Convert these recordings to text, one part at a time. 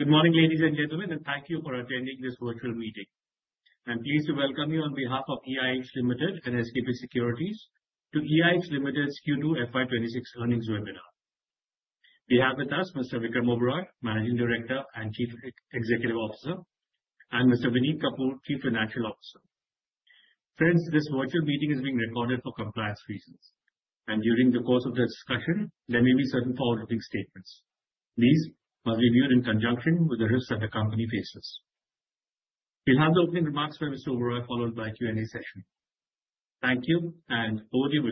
Good morning, ladies and gentlemen, and thank you for attending this virtual meeting. I'm pleased to welcome you on behalf of EIH Limited and SKP Securities to EIH Limited's Q2 FY 2026 earnings webinar. We have with us Mr. Vikram Oberoi, Managing Director and Chief Executive Officer, and Mr. Vineet Kapur, Chief Financial Officer. Friends, this virtual meeting is being recorded for compliance reasons, and during the course of the discussion, there may be certain forward-looking statements. These must be viewed in conjunction with the risks that the company faces. We will have the opening remarks by Mr. Oberoi, followed by a Q&A session. Thank you, and over to you,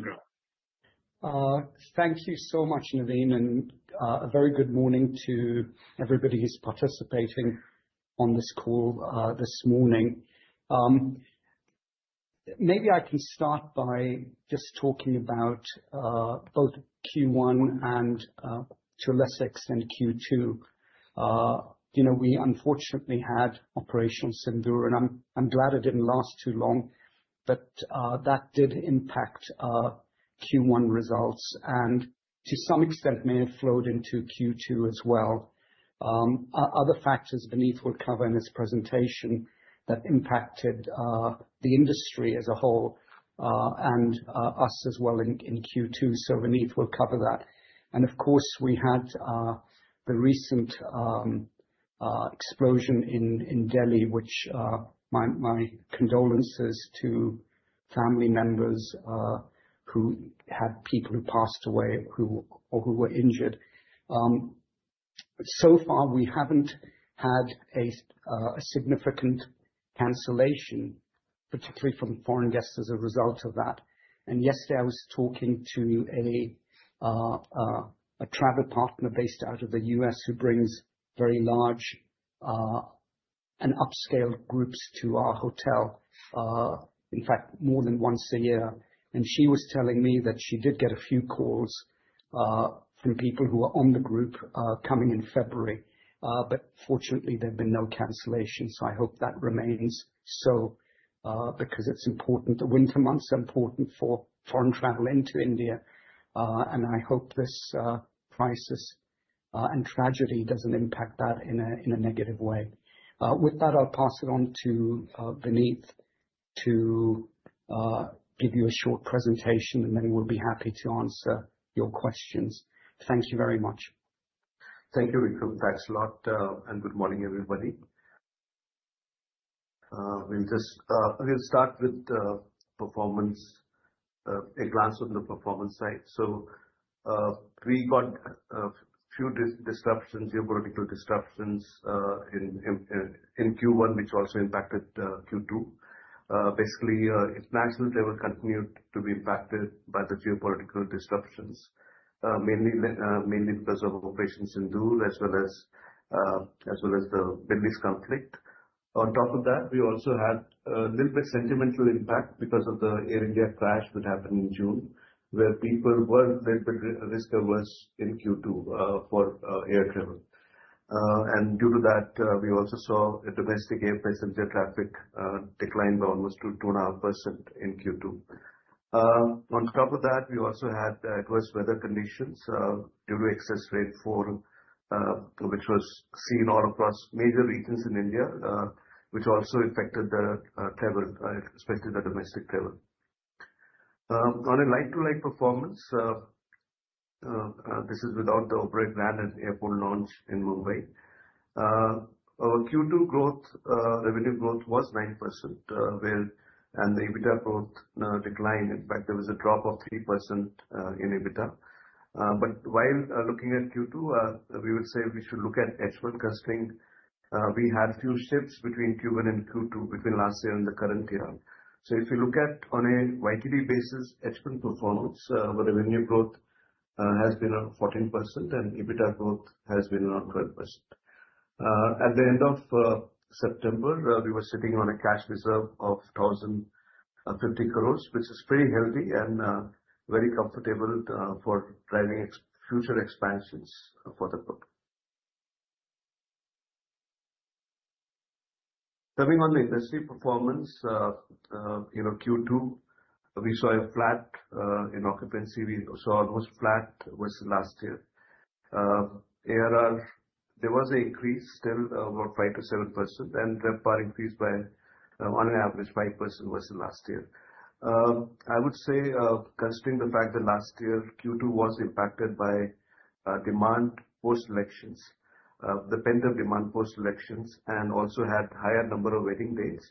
Vikram. Thank you so much, Navin, and a very good morning to everybody who's participating on this call this morning. Maybe I can start by just talking about both Q1 and, to a lesser extent, Q2. You know, we unfortunately had Operation Sindoor, and I'm glad it didn't last too long, but that did impact Q1 results and, to some extent, may have flowed into Q2 as well. Other factors Vineet will cover in his presentation that impacted the industry as a whole and us as well in Q2, so Vineet will cover that. Of course, we had the recent explosion in Delhi, which my condolences to family members who had people who passed away or who were injured. So far, we haven't had a significant cancellation, particularly from foreign guests as a result of that. Yesterday, I was talking to a travel partner based out of the U.S. who brings very large and upscaled groups to our hotel, in fact, more than once a year, and she was telling me that she did get a few calls from people who are on the group coming in February, but fortunately, there have been no cancellations. I hope that remains so because it is important. The winter months are important for foreign travel into India, and I hope this crisis and tragedy does not impact that in a negative way. With that, I will pass it on to Vineet to give you a short presentation, and then we will be happy to answer your questions. Thank you very much. Thank you, Vikram. Thanks a lot, and good morning, everybody. We'll start with the performance, a glance on the performance side. We got a few disruptions, geopolitical disruptions in Q1, which also impacted Q2. Basically, international level continued to be impacted by the geopolitical disruptions, mainly because of Operation Sindoor as well as the Middle East conflict. On top of that, we also had a little bit sentimental impact because of the Air India crash that happened in June, where people were a little bit risk averse in Q2 for air travel. Due to that, we also saw domestic air passenger traffic decline by almost 2.5% in Q2. On top of that, we also had adverse weather conditions due to excess rainfall, which was seen all across major regions in India, which also affected the travel, especially the domestic travel. On a light-to-light performance, this is without the operator and airport launch in Mumbai. Q2 revenue growth was 9%, and the EBITDA growth declined. In fact, there was a drop of 3% in EBITDA. While looking at Q2, we would say we should look at H1 costing. We had a few shifts between Q1 and Q2 between last year and the current year. If you look at on a YTD basis, H1 performance, revenue growth has been around 14%, and EBITDA growth has been around 12%. At the end of September, we were sitting on a cash reserve of 1,050 crore, which is pretty healthy and very comfortable for driving future expansions for the group. Coming on the industry performance, Q2, we saw a flat in occupancy. We saw almost flat versus last year. There was an increase still of about 5%-7%, and RevPAR increased by on average 5% versus last year. I would say, considering the fact that last year Q2 was impacted by demand post-elections, the pent-up demand post-elections, and also had a higher number of wedding dates,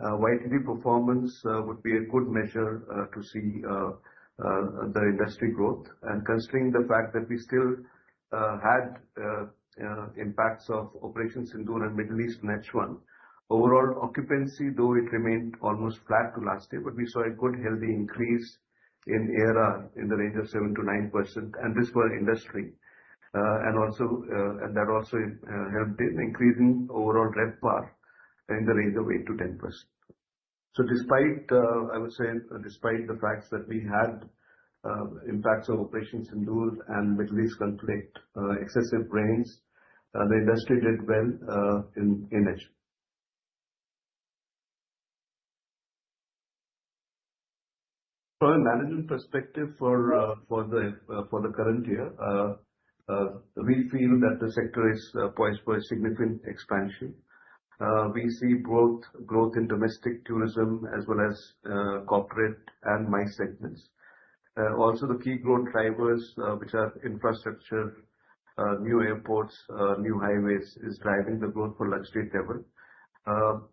YTD performance would be a good measure to see the industry growth. Considering the fact that we still had impacts of Operation Sindoor and Middle East on H1, overall occupancy, though it remained almost flat to last year, we saw a good healthy increase in ARR in the range of 7%-9%, and this for industry. That also helped in increasing overall RevPAR in the range of 8%-10%. Despite the facts that we had impacts of Operation Sindoor and Middle East conflict, excessive rains, the industry did well in H1. From a management perspective for the current year, we feel that the sector is poised for a significant expansion. We see growth in domestic tourism as well as corporate and MICE segments. Also, the key growth drivers, which are infrastructure, new airports, new highways, is driving the growth for luxury travel.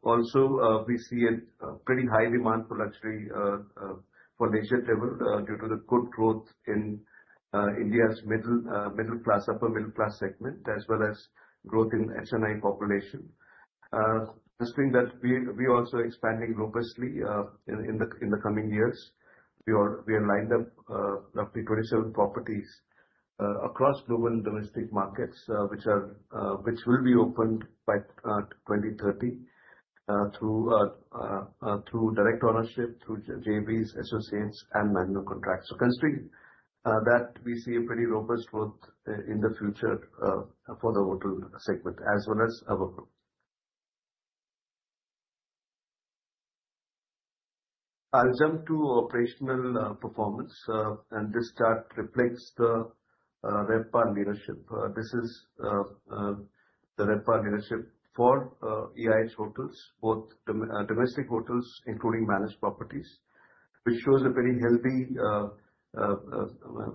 Also, we see a pretty high demand for luxury for leisure travel due to the good growth in India's middle class, upper middle class segment, as well as growth in HNI population. Considering that we are also expanding robustly in the coming years, we are lined up roughly 27 properties across global and domestic markets, which will be opened by 2030 through direct ownership, through JVs, associates, and management contracts. Considering that, we see a pretty robust growth in the future for the hotel segment as well as our group. I'll jump to operational performance, and this chart reflects the RevPAR leadership. This is the RevPAR leadership for EIH Hotels, both domestic hotels, including managed properties, which shows a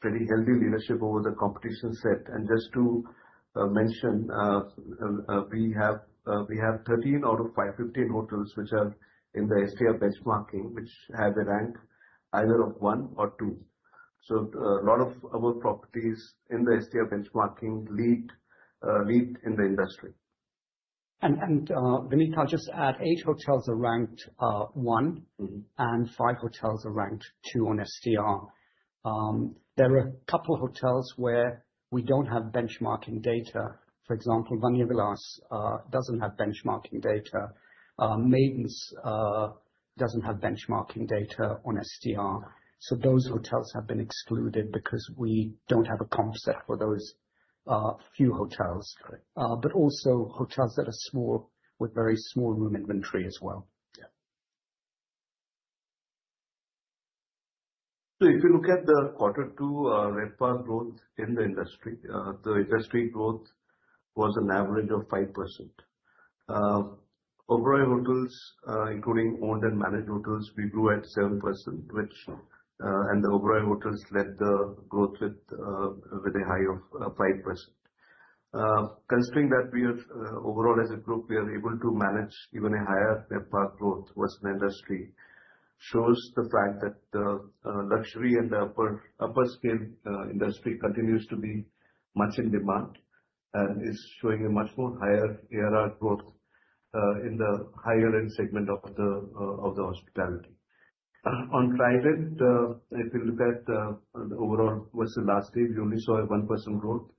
pretty healthy leadership over the competition set. Just to mention, we have 13 out of 515 hotels, which are in the STR benchmarking, which have a rank either of one or two. A lot of our properties in the STR benchmarking lead in the industry. Vaneet, I'll just add, eight hotels are ranked one and five hotels are ranked two on STR. There are a couple of hotels where we do not have benchmarking data. For example, Vanyavilas does not have benchmarking data. Maidens does not have benchmarking data on STR. Those hotels have been excluded because we do not have a comp set for those few hotels, but also hotels that are small with very small room inventory as well. If you look at the quarter two RevPAR growth in the industry, the industry growth was an average of 5%. Overall hotels, including owned and managed hotels, we grew at 7%, and the overall hotels led the growth with a high of 5%. Considering that we are overall, as a group, we are able to manage even a higher RevPAR growth versus the industry, shows the fact that the luxury and the upper-scale industry continues to be much in demand and is showing a much more higher ARR growth in the higher-end segment of the hospitality. On private end, if you look at the overall versus last year, we only saw a 1% growth.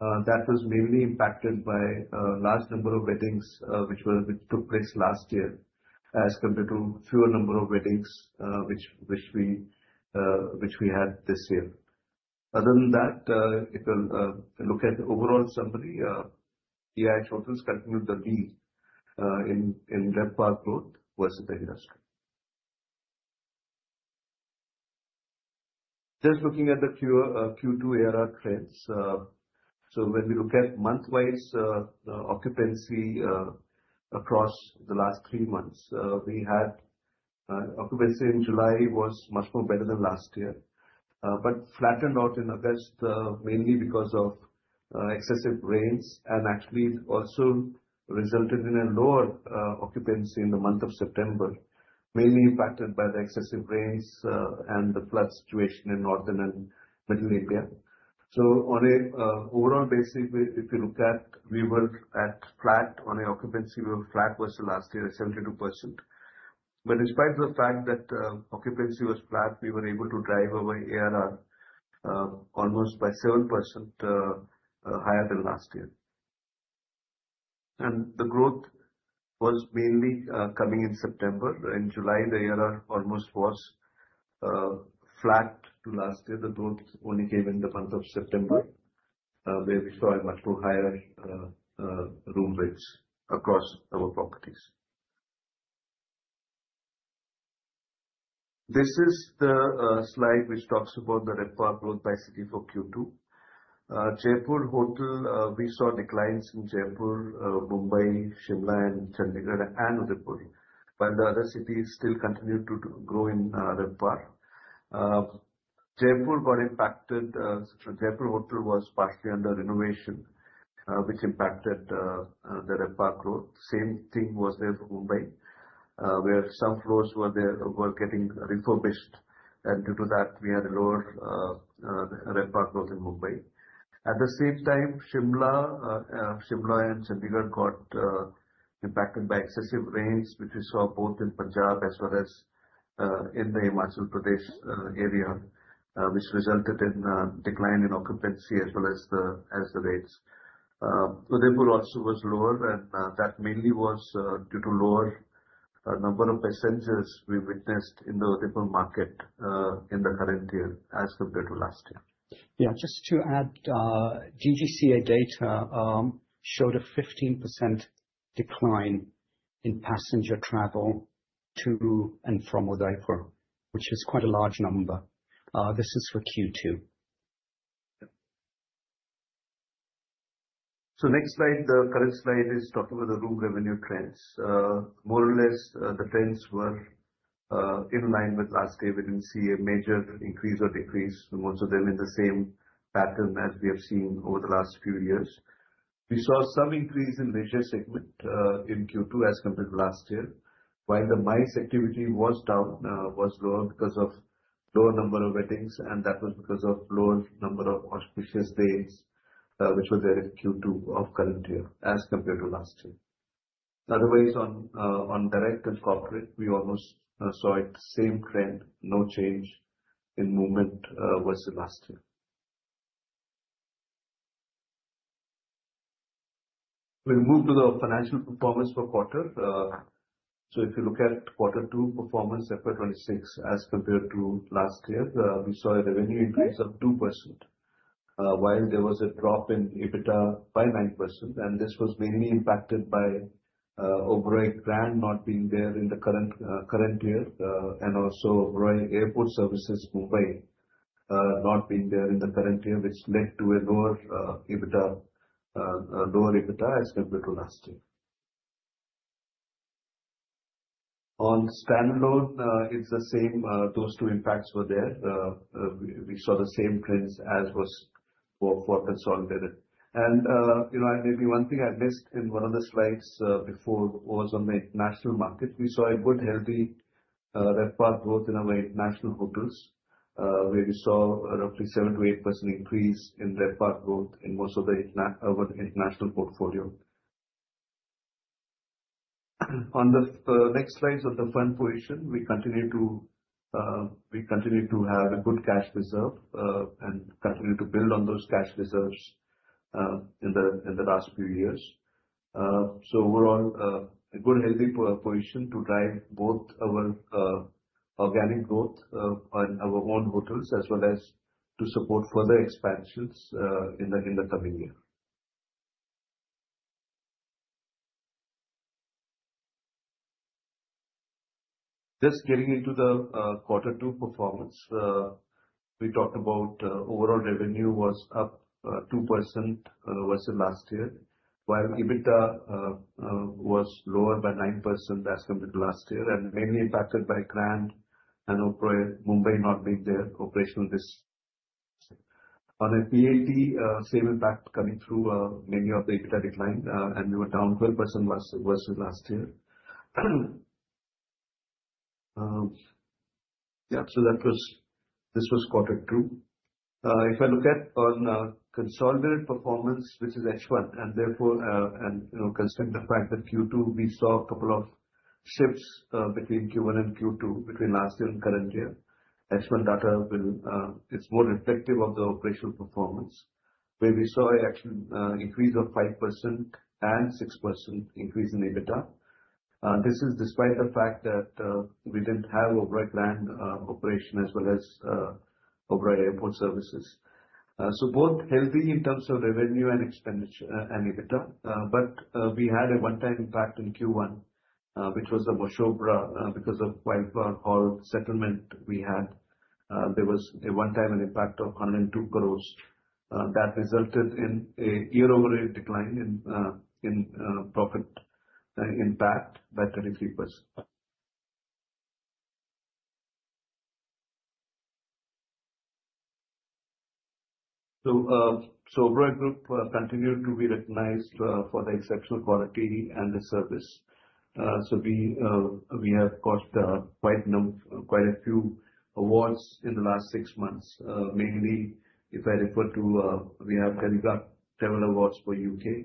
That was mainly impacted by a large number of weddings, which took place last year, as compared to a fewer number of weddings which we had this year. Other than that, if you look at the overall summary, EIH Hotels continue to lead in RevPAR growth versus the industry. Just looking at the Q2 ARR trends, when we look at monthwise occupancy across the last three months, we had occupancy in July was much better than last year, but flattened out in August, mainly because of excessive rains and actually also resulted in a lower occupancy in the month of September, mainly impacted by the excessive rains and the flood situation in northern and middle India. On an overall basis, if you look at it, we were flat on occupancy versus last year, 72%. Despite the fact that occupancy was flat, we were able to drive our ARR almost by 7% higher than last year. The growth was mainly coming in September. In July, the ARR almost was flat to last year. The growth only came in the month of September, where we saw much higher room rates across our properties. This is the slide which talks about the RevPAR growth by city for Q2. Jaipur Hotel, we saw declines in Jaipur, Mumbai, Shimla, Chandigarh, and Udaipur, while the other cities still continued to grow in RevPAR. Jaipur got impacted. Jaipur Hotel was partially under renovation, which impacted the RevPAR growth. The same thing was there for Mumbai, where some floors were getting refurbished. Due to that, we had a lower RevPAR growth in Mumbai. At the same time, Shimla and Chandigarh got impacted by excessive rains, which we saw both in Punjab as well as in the Himachal Pradesh area, which resulted in a decline in occupancy as well as the rates. Udaipur also was lower, and that mainly was due to the lower number of passengers we witnessed in the Udaipur market in the current year as compared to last year. Yeah, just to add, STR data showed a 15% decline in passenger travel to and from Udaipur, which is quite a large number. This is for Q2. The current slide is talking about the room revenue trends. More or less, the trends were in line with last year. We did not see a major increase or decrease. Most of them in the same pattern as we have seen over the last few years. We saw some increase in leisure segment in Q2 as compared to last year, while the MICE activity was lower because of the lower number of weddings, and that was because of the lower number of auspicious dates, which were there in Q2 of current year as compared to last year. Otherwise, on direct and corporate, we almost saw the same trend, no change in movement versus last year. We will move to the financial performance for quarter. If you look at quarter two performance, FY 2026, as compared to last year, we saw a revenue increase of 2%, while there was a drop in EBITDA by 9%. This was mainly impacted by Oberoi Grand not being there in the current year, and also Oberoi Airport Services Mumbai not being there in the current year, which led to a lower EBITDA as compared to last year. On standalone, it is the same. Those two impacts were there. We saw the same trends as was for consolidated. Maybe one thing I missed in one of the slides before was on the international market. We saw a good healthy RevPAR growth in our international hotels, where we saw roughly 7%-8% increase in RevPAR growth in most of the international portfolio. On the next slides of the fund position, we continue to have a good cash reserve and continue to build on those cash reserves in the last few years. Overall, a good healthy position to drive both our organic growth on our own hotels as well as to support further expansions in the coming year. Just getting into the quarter two performance, we talked about overall revenue was up 2% versus last year, while EBITDA was lower by 9% as compared to last year, and mainly impacted by Grand and Oberoi Mumbai not being there operationally. On a PAT, same impact coming through many of the EBITDA decline, and we were down 12% versus last year. Yeah, this was quarter two. If I look at consolidated performance, which is H1, and therefore, considering the fact that Q2, we saw a couple of shifts between Q1 and Q2, between last year and current year, H1 data will, it's more reflective of the operational performance, where we saw an increase of 5% and 6% increase in EBITDA. This is despite the fact that we didn't have Oberoi Grand operation as well as Oberoi Airport Services. Both healthy in terms of revenue and expenditure and EBITDA, but we had a one-time impact in Q1, which was the Mashobra because of white blood settlement we had. There was a one-time impact of 102 crore that resulted in a year-over-year decline in profit impact by 33%. Oberoi Group continued to be recognized for the exceptional quality and the service. We have got quite a few awards in the last six months, mainly if I refer to, we have delivered several awards for the U.K.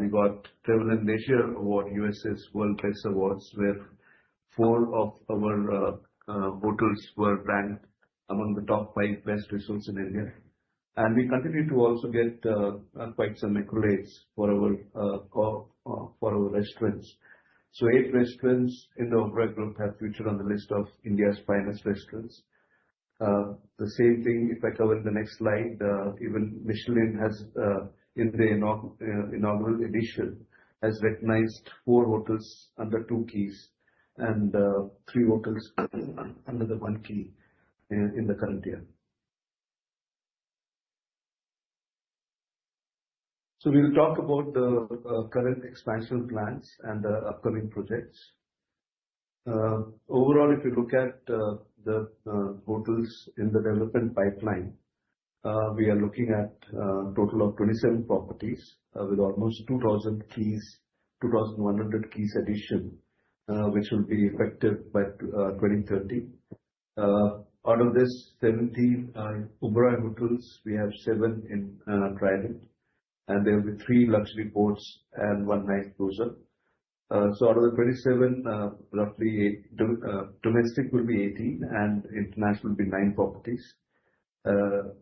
We got Travel and Leisure Award, U.S. World Best Awards, where four of our hotels were ranked among the top five best resorts in India. We continue to also get quite some accolades for our restaurants. Eight restaurants in the Oberoi Group have featured on the list of India's finest restaurants. The same thing, if I cover the next slide, even Michelin has, in the inaugural edition, recognized four hotels under two keys and three hotels under the one key in the current year. We will talk about the current expansion plans and the upcoming projects. Overall, if you look at the hotels in the development pipeline, we are looking at a total of 27 properties with almost 2,000 keys, 2,100 keys addition, which will be effective by 2030. Out of this, 17 Oberoi Hotels, we have seven in private and there will be three luxury boards and one night closer. Out of the 27, roughly domestic will be 18 and international will be nine properties. There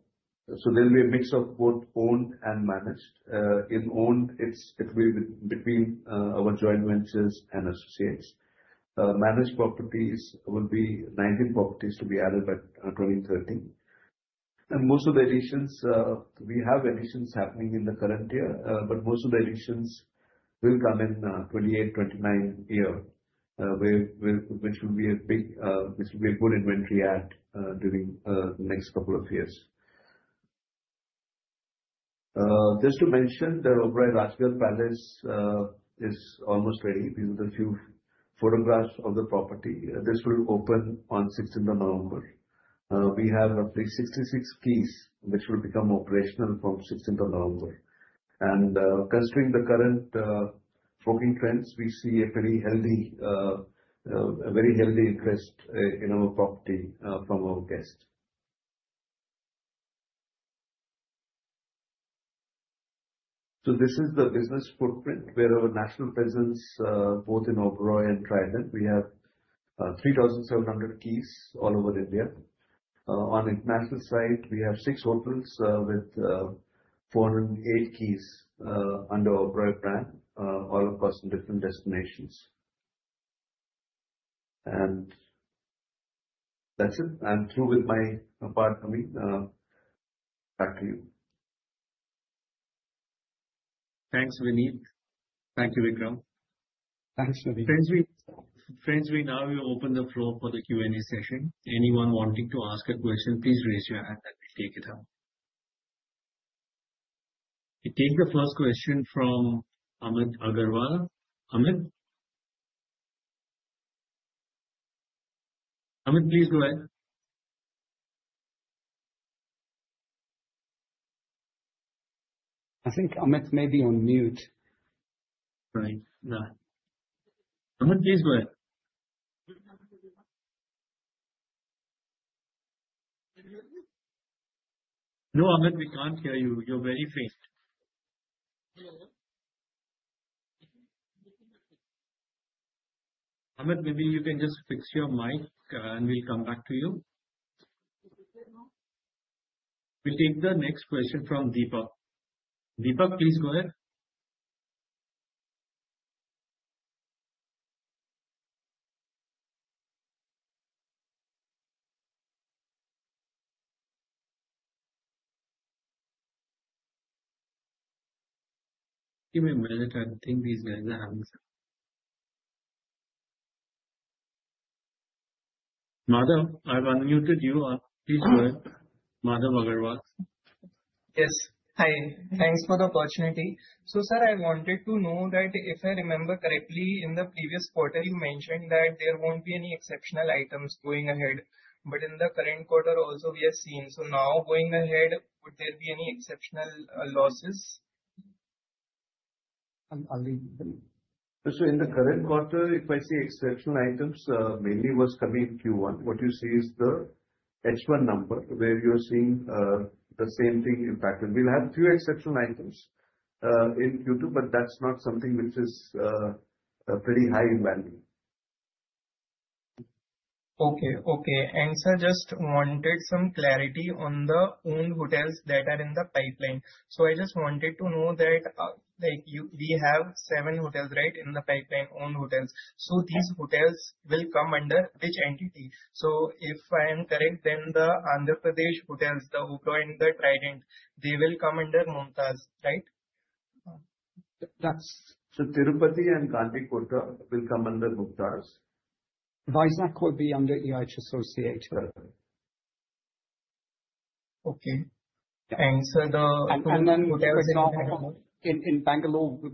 will be a mix of both owned and managed. In owned, it will be between our joint ventures and associates. Managed properties will be 19 properties to be added by 2030. Most of the additions, we have additions happening in the current year, but most of the additions will come in 2028-2029, which will be a big, which will be a good inventory add during the next couple of years. Just to mention, the Oberoi Rajgarh Palace is almost ready. These are the few photographs of the property. This will open on 16th of November. We have roughly 66 keys which will become operational from 16th of November. Considering the current booking trends, we see a very healthy interest in our property from our guests. This is the business footprint where our national presence, both in Oberoi and Trident, we have 3,700 keys all over India. On the international side, we have six hotels with 408 keys under the Oberoi brand, all across different destinations. That is it. I am through with my part. Coming back to you. Thanks, Vineet. Thank you, Vikram. Thanks, Vineet. Friends, we now will open the floor for the Q&A session. Anyone wanting to ask a question, please raise your hand and we will take it up. We take the first question from Amit Agarwal. Amit? Amit, please go ahead. I think Amit may be on mute. Right. Amit, please go ahead. No, Amit, we can't hear you. You're very faint. Amit, maybe you can just fix your mic and we'll come back to you. We'll take the next question from Deepak. Deepak, please go ahead. Give me a minute. I think these guys are having some. Madhav, I've unmuted you. Please go ahead. Madhav Agarwal. Yes. Hi. Thanks for the opportunity. Sir, I wanted to know that if I remember correctly, in the previous quarter, you mentioned that there will not be any exceptional items going ahead. In the current quarter also, we have seen. Now going ahead, would there be any exceptional losses? In the current quarter, if I see exceptional items, mainly was coming Q1. What you see is the H1 number, where you're seeing the same thing impacted. We'll have a few exceptional items in Q2, but that's not something which is pretty high in value. Okay. Okay. Sir, just wanted some clarity on the owned hotels that are in the pipeline. I just wanted to know that we have seven hotels, right, in the pipeline, owned hotels. These hotels will come under which entity? If I am correct, then the Andhra Pradesh hotels, the Udaipur and the Trident, they will come under Mumtaz, right? Tirupati and Gandikota will come under Mumtaz. Visak would be under EIH Associates. Okay. Sir. The hotels in Bangalore will both be EIH. In Bangalore, we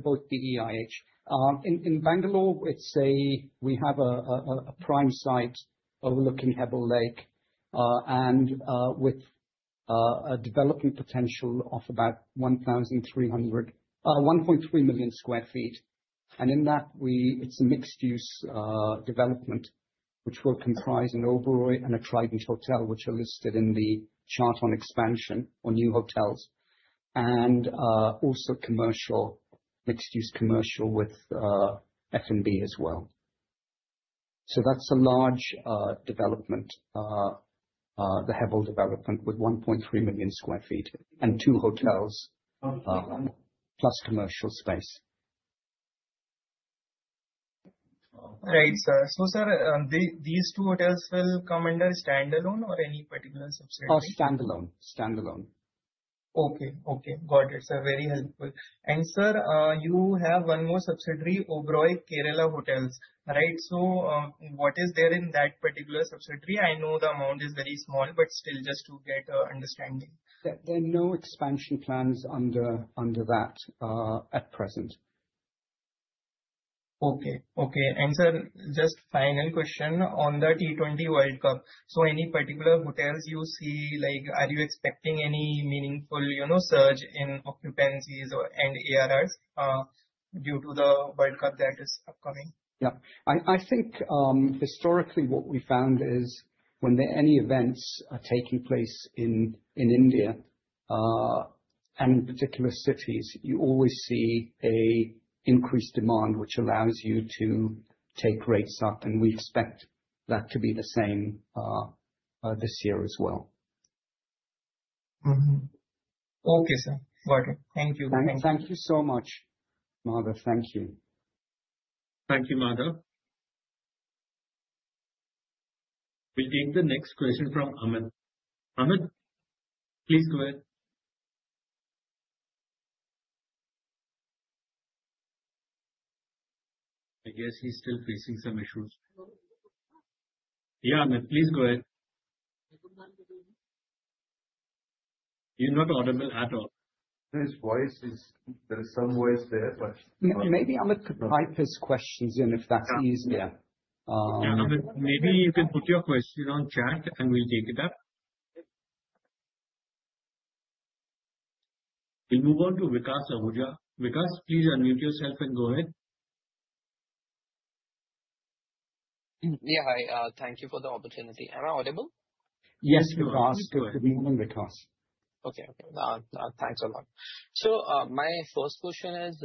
have a prime site overlooking Hebbal Lake and with a development potential of about 1.3 million sq ft. In that, it is a mixed-use development, which will comprise an Oberoi and a Trident hotel, which are listed in the chart on expansion or new hotels, and also commercial, mixed-use commercial with F&B as well. That is a large development, the Hebbal development with 1.3 million sq ft and two hotels plus commercial space. Right, sir. So sir, these two hotels will come under standalone or any particular subsidiary? Standalone. Standalone. Okay. Okay. Got it. Very helpful. Sir, you have one more subsidiary, Oberoi Kerala Hotels, right? What is there in that particular subsidiary? I know the amount is very small, but still just to get an understanding. There are no expansion plans under that at present. Okay. Okay. Sir, just final question on the T20 World Cup. Any particular hotels you see, are you expecting any meaningful surge in occupancies and ARRs due to the World Cup that is upcoming? Yeah. I think historically what we found is when any events are taking place in India and in particular cities, you always see an increased demand, which allows you to take rates up. We expect that to be the same this year as well. Okay, sir. Got it. Thank you. Thank you so much, Madhav. Thank you. Thank you, Madhav. We'll take the next question from Amit. Amit, please go ahead. I guess he's still facing some issues. Yeah, Amit, please go ahead. You're not audible at all. His voice is, there is some voice there, but. Maybe Amit could type his questions in if that's easier. Yeah, Amit, maybe you can put your question on chat and we'll take it up. We'll move on to Vikas Uberoi. Vikas, please unmute yourself and go ahead. Yeah, hi. Thank you for the opportunity. Am I audible? Yes, Vikas. Good morning, Vikas. Okay. Thanks a lot. So my first question is,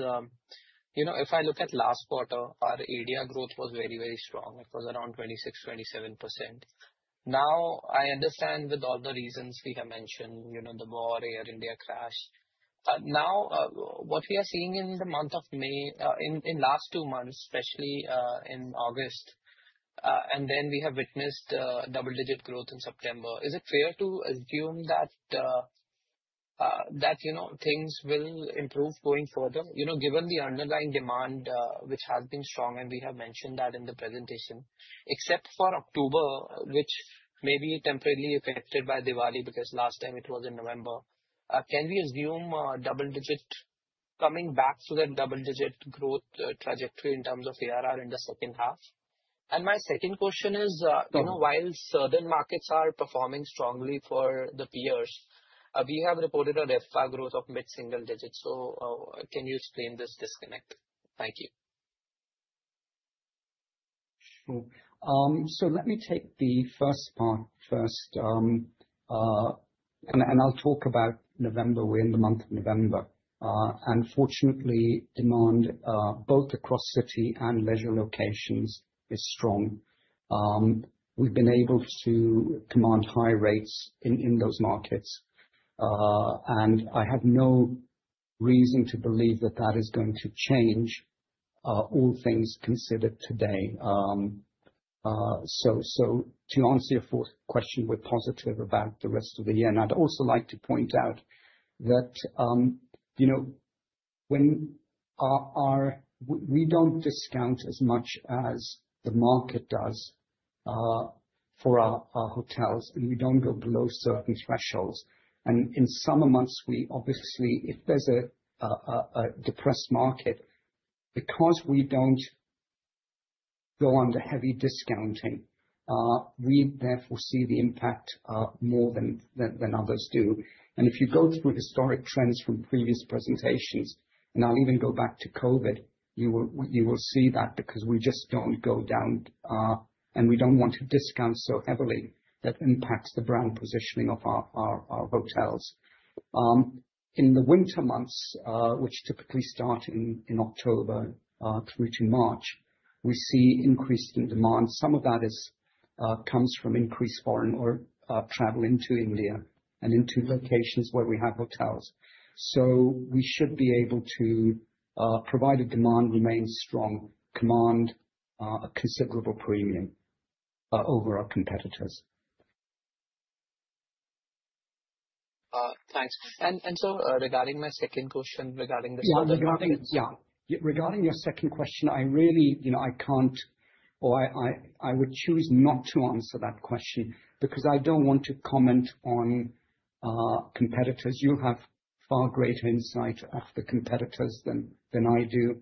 if I look at last quarter, our ARR growth was very, very strong. It was around 26%-27%. Now, I understand with all the reasons we have mentioned, the war, Air India crash. Now, what we are seeing in the month of May, in the last two months, especially in August, and then we have witnessed double-digit growth in September, is it fair to assume that things will improve going further? Given the underlying demand, which has been strong, and we have mentioned that in the presentation, except for October, which may be temporarily affected by Diwali because last time it was in November, can we assume coming back to that double-digit growth trajectory in terms of ARR in the second half? My second question is, while certain markets are performing strongly for the peers, we have reported a RevPAR growth of mid-single digits. Can you explain this disconnect? Thank you. Sure. Let me take the first part first. I'll talk about November, we're in the month of November. Fortunately, demand both across city and leisure locations is strong. We've been able to command high rates in those markets. I have no reason to believe that that is going to change, all things considered today. To answer your fourth question, we're positive about the rest of the year. I'd also like to point out that we do not discount as much as the market does for our hotels, and we do not go below certain thresholds. In summer months, obviously, if there's a depressed market, because we do not go under heavy discounting, we therefore see the impact more than others do. If you go through historic trends from previous presentations, and I'll even go back to COVID, you will see that because we just do not go down, and we do not want to discount so heavily that impacts the brand positioning of our hotels. In the winter months, which typically start in October through to March, we see increase in demand. Some of that comes from increased foreign travel into India and into locations where we have hotels. We should be able to provide a demand remain strong, command a considerable premium over our competitors. Thanks. Sir, regarding my second question regarding the summer vacations. Yeah, regarding your second question, I really, I can't, or I would choose not to answer that question because I don't want to comment on competitors. You will have far greater insight of the competitors than I do.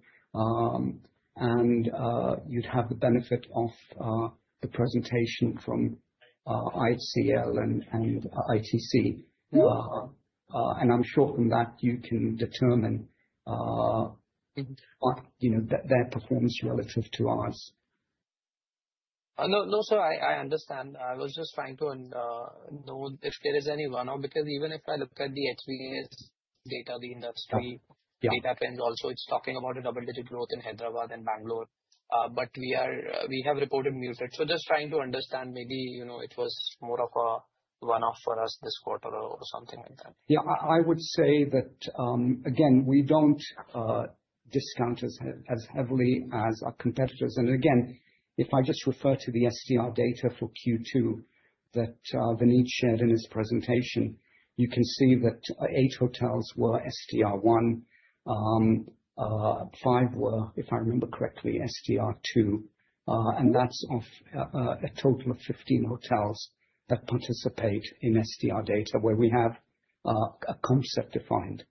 You would have the benefit of the presentation from IHCL and ITC. I am sure from that you can determine their performance relative to ours. No, sir, I understand. I was just trying to know if there is any runoff because even if I look at the HVAC data, the industry data trends also, it's talking about a double-digit growth in Hyderabad and Bangalore. We have reported muted. I am just trying to understand maybe it was more of a runoff for us this quarter or something like that. Yeah, I would say that, again, we do not discount as heavily as our competitors. Again, if I just refer to the STR data for Q2 that Vineet shared in his presentation, you can see that eight hotels were STR1, five were, if I remember correctly, STR2. That is a total of 15 hotels that participate in STR data where we have a concept defined.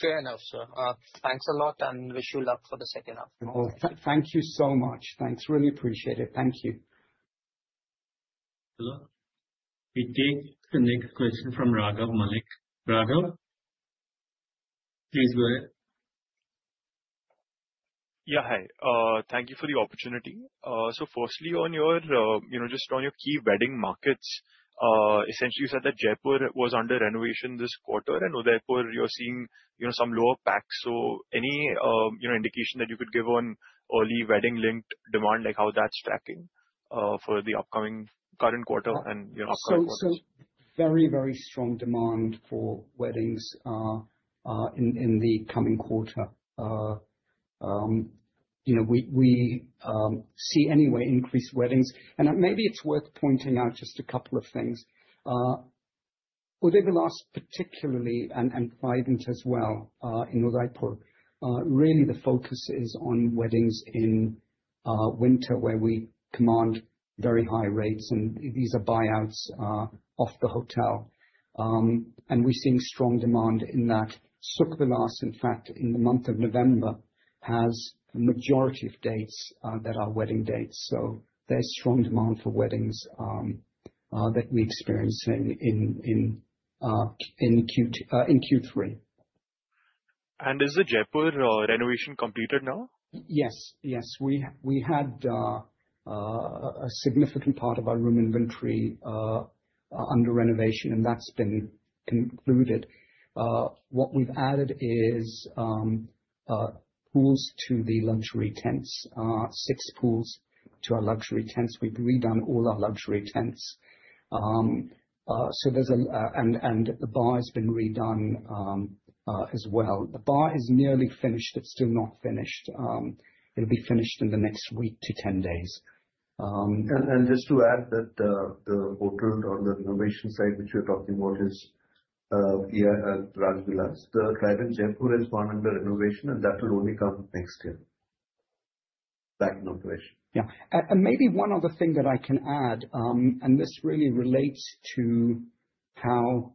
Fair enough, sir. Thanks a lot and wish you luck for the second half. Thank you so much. Thanks. Really appreciate it. Thank you. Hello. We take the next question from Raghav Malik. Raghav, please go ahead. Yeah, hi. Thank you for the opportunity. Firstly, just on your key wedding markets, essentially, you said that Jaipur was under renovation this quarter, and Udaipur, you're seeing some lower pack. Any indication that you could give on early wedding-linked demand, like how that's tracking for the upcoming current quarter and upcoming quarters? Very, very strong demand for weddings in the coming quarter. We see anyway increased weddings. Maybe it is worth pointing out just a couple of things. Udaipur last particularly and Trident as well in Udaipur, really the focus is on weddings in winter where we command very high rates. These are buyouts of the hotel. We are seeing strong demand in that Sukhvilas, in fact, in the month of November has a majority of dates that are wedding dates. There is strong demand for weddings that we experience in Q3. Is the Jaipur renovation completed now? Yes. Yes. We had a significant part of our room inventory under renovation, and that's been concluded. What we've added is pools to the luxury tents, six pools to our luxury tents. We've redone all our luxury tents. The bar has been redone as well. The bar is nearly finished. It's still not finished. It'll be finished in the next week to 10 days. Just to add that the hotel on the renovation side which you are talking about is Rajvilas. The Trident Jaipur is one under renovation, and that will only come next year, back in operation. Yeah. Maybe one other thing that I can add, and this really relates to how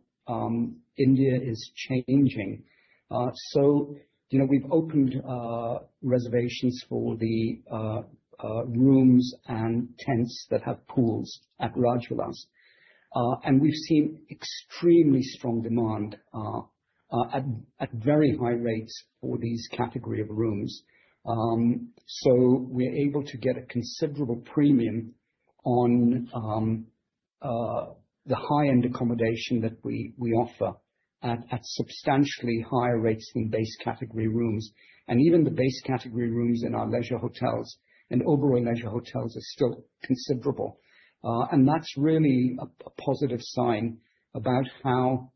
India is changing. We have opened reservations for the rooms and tents that have pools at Rajvilas. We have seen extremely strong demand at very high rates for these category of rooms. We are able to get a considerable premium on the high-end accommodation that we offer at substantially higher rates than base category rooms. Even the base category rooms in our leisure hotels and overall leisure hotels are still considerable. That is really a positive sign about how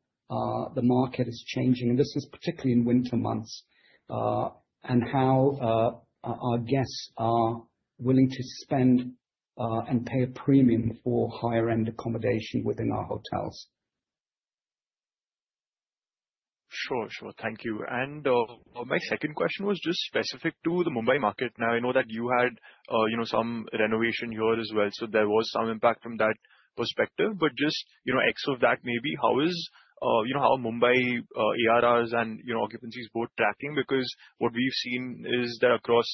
the market is changing. This is particularly in winter months and how our guests are willing to spend and pay a premium for higher-end accommodation within our hotels. Sure. Sure. Thank you. My second question was just specific to the Mumbai market. I know that you had some renovation here as well, so there was some impact from that perspective. Just excluding that, maybe, how are Mumbai ARRs and occupancies both tracking? What we have seen is that across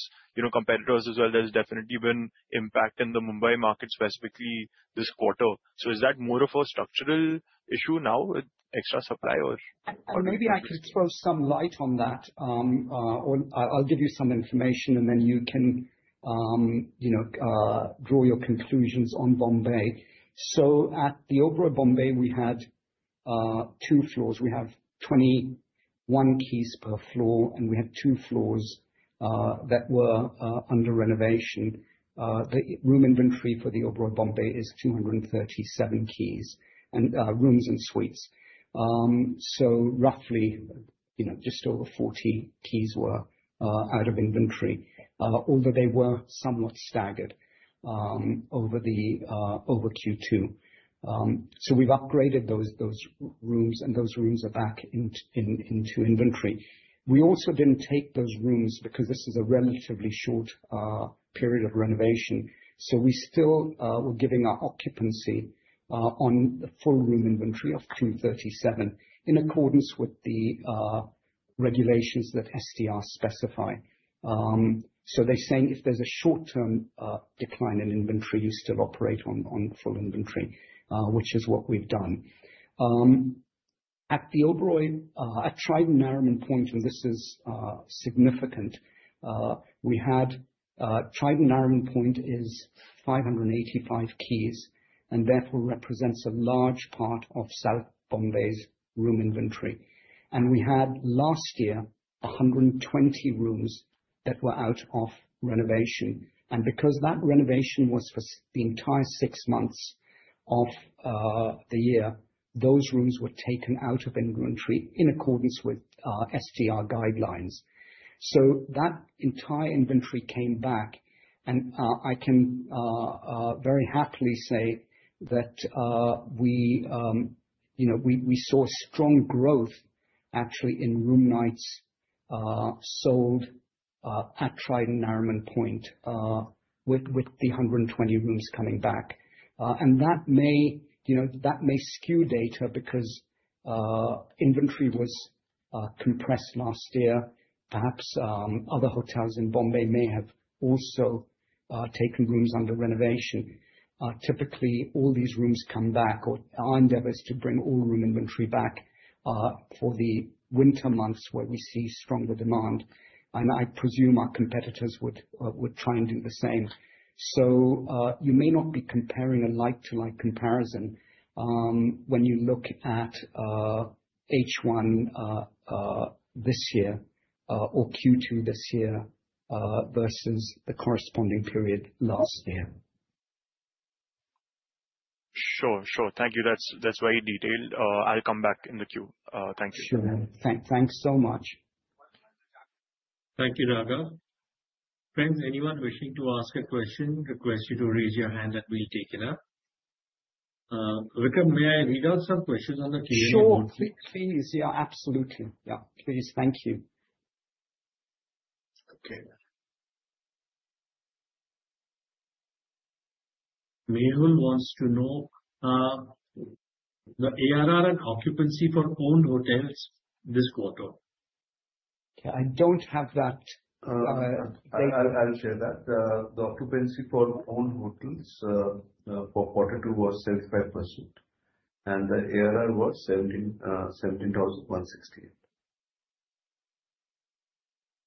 competitors as well, there has definitely been impact in the Mumbai market, specifically this quarter. Is that more of a structural issue now with extra supply or? Maybe I could throw some light on that. I'll give you some information, and then you can draw your conclusions on Bombay. At the Oberoi Bombay, we had two floors. We have 21 keys per floor, and we had two floors that were under renovation. The room inventory for the Oberoi Bombay is 237 keys and rooms and suites. Roughly just over 40 keys were out of inventory, although they were somewhat staggered over Q2. We've upgraded those rooms, and those rooms are back into inventory. We also did not take those rooms because this is a relatively short period of renovation. We still were giving our occupancy on the full room inventory of 237 in accordance with the regulations that STR specify. They are saying if there is a short-term decline in inventory, you still operate on full inventory, which is what we've done. At Trident Nariman Point, and this is significant, Trident Nariman Point is 585 keys and therefore represents a large part of South Bombay's room inventory. We had last year 120 rooms that were out of renovation. Because that renovation was for the entire six months of the year, those rooms were taken out of inventory in accordance with STR guidelines. That entire inventory came back. I can very happily say that we saw strong growth actually in room nights sold at Trident Nariman Point with the 120 rooms coming back. That may skew data because inventory was compressed last year. Perhaps other hotels in Bombay may have also taken rooms under renovation. Typically, all these rooms come back, or our endeavor is to bring all room inventory back for the winter months where we see stronger demand. I presume our competitors would try and do the same. You may not be comparing a like-to-like comparison when you look at H1 this year or Q2 this year versus the corresponding period last year. Sure. Sure. Thank you. That's very detailed. I'll come back in the queue. Thank you. Sure. Thanks so much. Thank you, Raghav. Friends, anyone wishing to ask a question, request you to raise your hand, and we'll take it up. Vikram, may I read out some questions on the Q&A? Sure. Please. Yeah, absolutely. Please. Thank you. Okay. Mehul wants to know the ARR and occupancy for owned hotels this quarter. Okay. I don't have that data. I'll share that. The occupancy for owned hotels for quarter two was 75%. And the ARR was 17,168.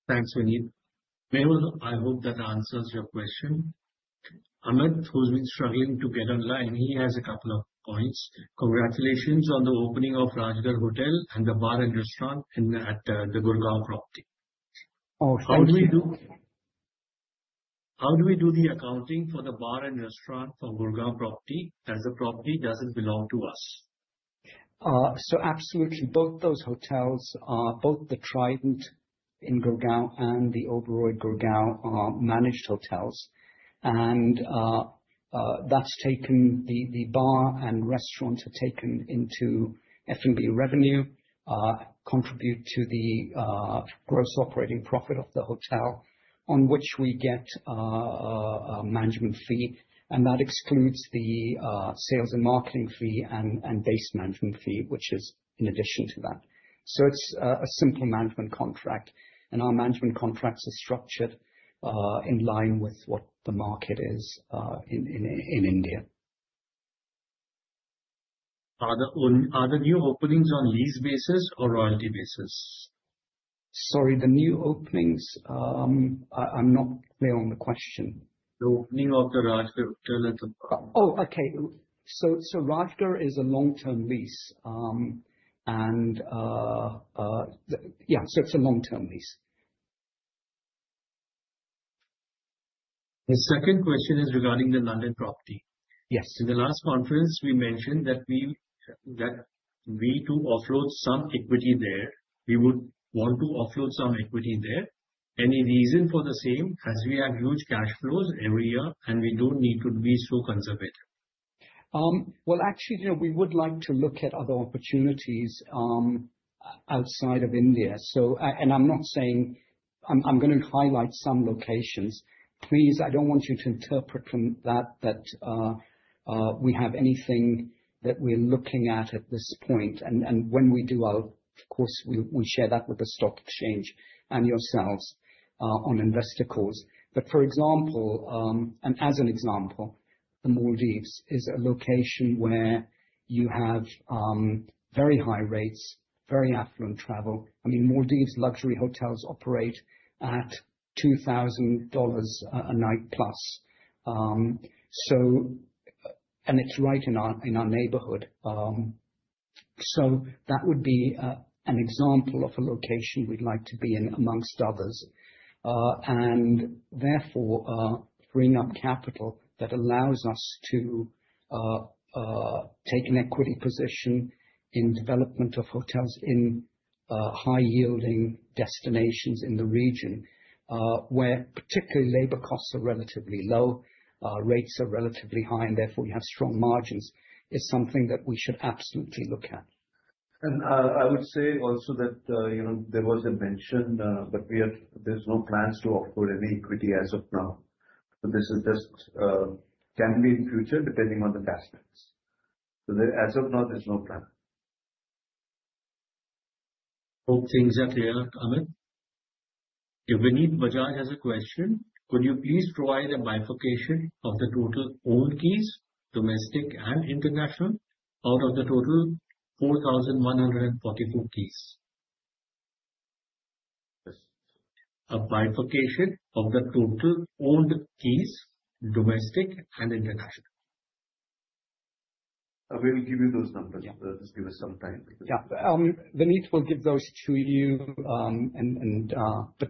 Thanks, Vineet. Mehul, I hope that answers your question. Amit, who's been struggling to get online, he has a couple of points. Congratulations on the opening of Rajgarh Hotel and the bar and restaurant at the Gurgaon property. Oh, thank you. How do we do the accounting for the bar and restaurant for Gurgaon property as a property? Does it belong to us? Absolutely. Both those hotels, both the Trident in Gurgaon and the Oberoi Gurgaon, are managed hotels. That is, the bar and restaurant have taken into F&B revenue, contribute to the gross operating profit of the hotel on which we get a management fee. That excludes the sales and marketing fee and base management fee, which is in addition to that. It is a simple management contract. Our management contracts are structured in line with what the market is in India. Are the new openings on lease basis or royalty basis? Sorry, the new openings, I'm not clear on the question. The opening of the Rajgarh Hotel at the. Oh, okay. Rajgarh is a long-term lease. Yeah, it's a long-term lease. The second question is regarding the London property. Yes. In the last conference, we mentioned that we do offload some equity there. We would want to offload some equity there. Any reason for the same? As we have huge cash flows every year, and we do not need to be so conservative. Actually, we would like to look at other opportunities outside of India. I'm not saying I'm going to highlight some locations. Please, I don't want you to interpret from that that we have anything that we're looking at at this point. When we do, of course, we share that with the stock exchange and yourselves on investor calls. For example, and as an example, the Maldives is a location where you have very high rates, very affluent travel. I mean, Maldives luxury hotels operate at $2,000 a night plus. It's right in our neighborhood. That would be an example of a location we'd like to be in amongst others. Therefore, freeing up capital that allows us to take an equity position in development of hotels in high-yielding destinations in the region where particularly labor costs are relatively low, rates are relatively high, and therefore you have strong margins is something that we should absolutely look at. I would say also that there was a mention, but there's no plans to offer any equity as of now. This just can be in the future depending on the cash flows. As of now, there's no plan. Hope things are clear, Amit. Vineet Bajaj has a question. Could you please provide a bifurcation of the total owned keys, domestic and international, out of the total 4,144 keys? Yes. A bifurcation of the total owned keys, domestic and international? We'll give you those numbers. Just give us some time. Yeah. Vineet will give those to you.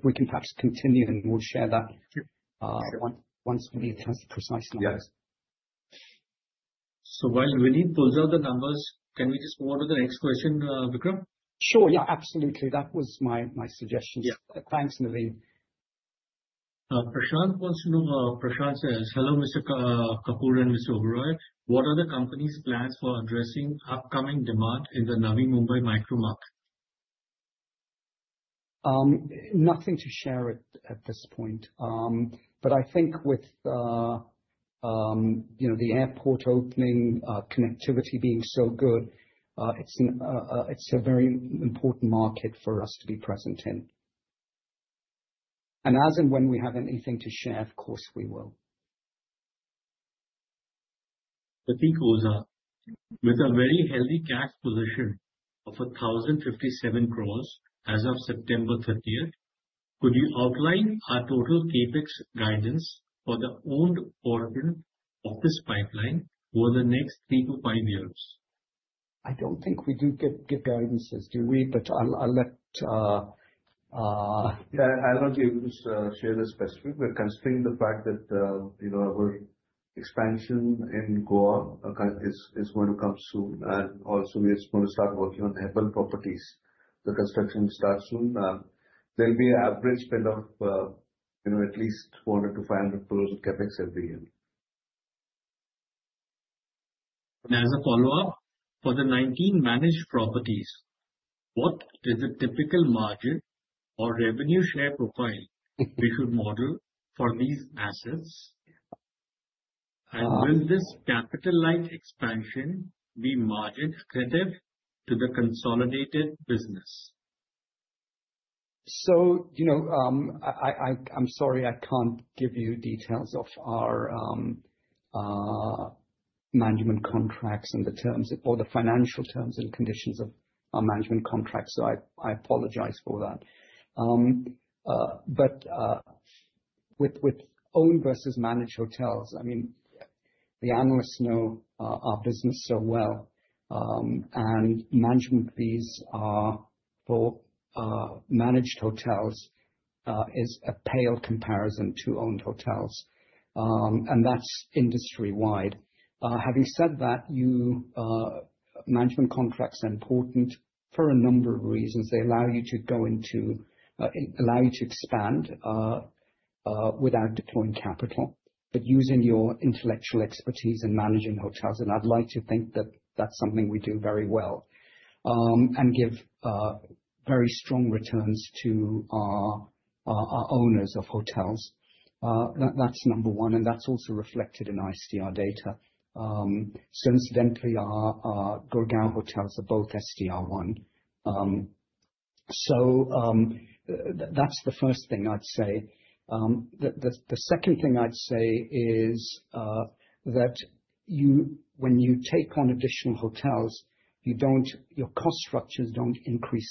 We can perhaps continue and we'll share that once Vineet has precise numbers. Yes. While Vineet pulls out the numbers, can we just move on to the next question, Vikram? Sure. Yeah, absolutely. That was my suggestion. Thanks, Navin. Prashanth wants to know, Prashanth says, "Hello, Mr. Kapur and Mr. Oberoi. What are the company's plans for addressing upcoming demand in the Navi Mumbai micro market? Nothing to share at this point. I think with the airport opening, connectivity being so good, it's a very important market for us to be present in. As and when we have anything to share, of course, we will. The peak [OZA] with a very healthy cash position of 1,057 crore as of September 30th, could you outline our total CapEx guidance for the owned origin of this pipeline over the next three to five years? I don't think we do give guidances, do we? I'll let. I'll not share the specifics. Considering the fact that our expansion in Goa is going to come soon, and also we're going to start working on Hebbal properties, the construction will start soon, there will be an average spend of at least 400 crore-500 crore of CapEx every year. As a follow-up, for the 19 managed properties, what is the typical margin or revenue share profile we should model for these assets? Will this capital-like expansion be margin-accretive to the consolidated business? I'm sorry, I can't give you details of our management contracts and the terms or the financial terms and conditions of our management contracts. I apologize for that. With owned versus managed hotels, I mean, the analysts know our business so well. Management fees for managed hotels is a pale comparison to owned hotels, and that's industry-wide. Having said that, management contracts are important for a number of reasons. They allow you to expand without deploying capital, but using your intellectual expertise in managing hotels. I'd like to think that that's something we do very well and give very strong returns to our owners of hotels. That's number one. That's also reflected in STR data. Incidentally, our Gurgaon hotels are both STR1. That's the first thing I'd say. The second thing I'd say is that when you take on additional hotels, your cost structures don't increase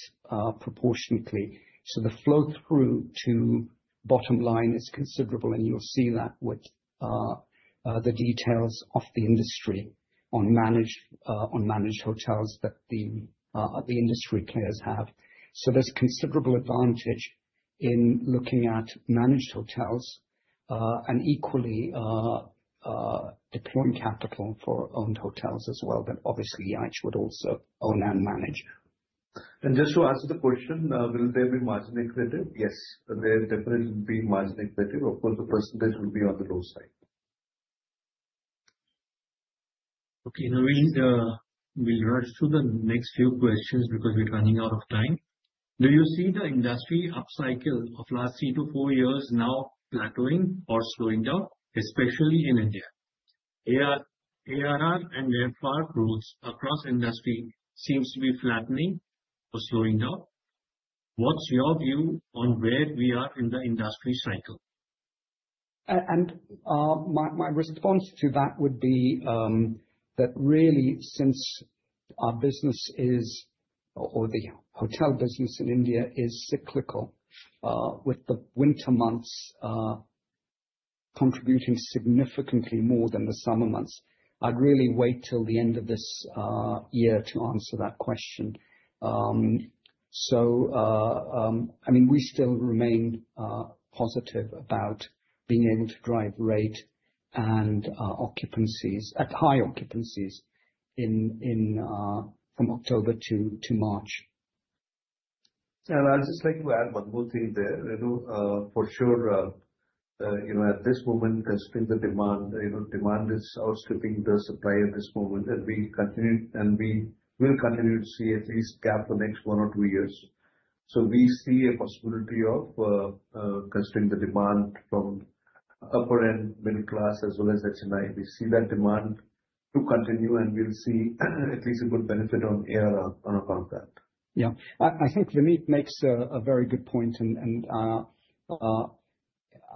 proportionately. The flow-through to bottom line is considerable. You'll see that with the details of the industry on managed hotels that the industry players have. There is considerable advantage in looking at managed hotels and equally deploying capital for owned hotels as well that obviously EIH would also own and manage. Just to answer the question, will there be margin-accretive? Yes, there definitely will be margin-accretive. Of course, the percentage will be on the low side. Okay. Navin, we'll rush to the next few questions because we're running out of time. Do you see the industry upcycle of last three to four years now plateauing or slowing down, especially in India? ARR and airfare growth across industry seems to be flattening or slowing down. What's your view on where we are in the industry cycle? My response to that would be that really since our business is or the hotel business in India is cyclical with the winter months contributing significantly more than the summer months, I'd really wait till the end of this year to answer that question. I mean, we still remain positive about being able to drive rate and occupancies at high occupancies from October to March. I would just like to add one more thing there. For sure, at this moment, considering the demand, demand is outstripping the supply at this moment. We will continue to see at least a gap for the next one or two years. We see a possibility of considering the demand from upper-end middle class as well as HNI. We see that demand to continue, and we will see at least a good benefit on ARR on account of that. Yeah. I think Vineet makes a very good point.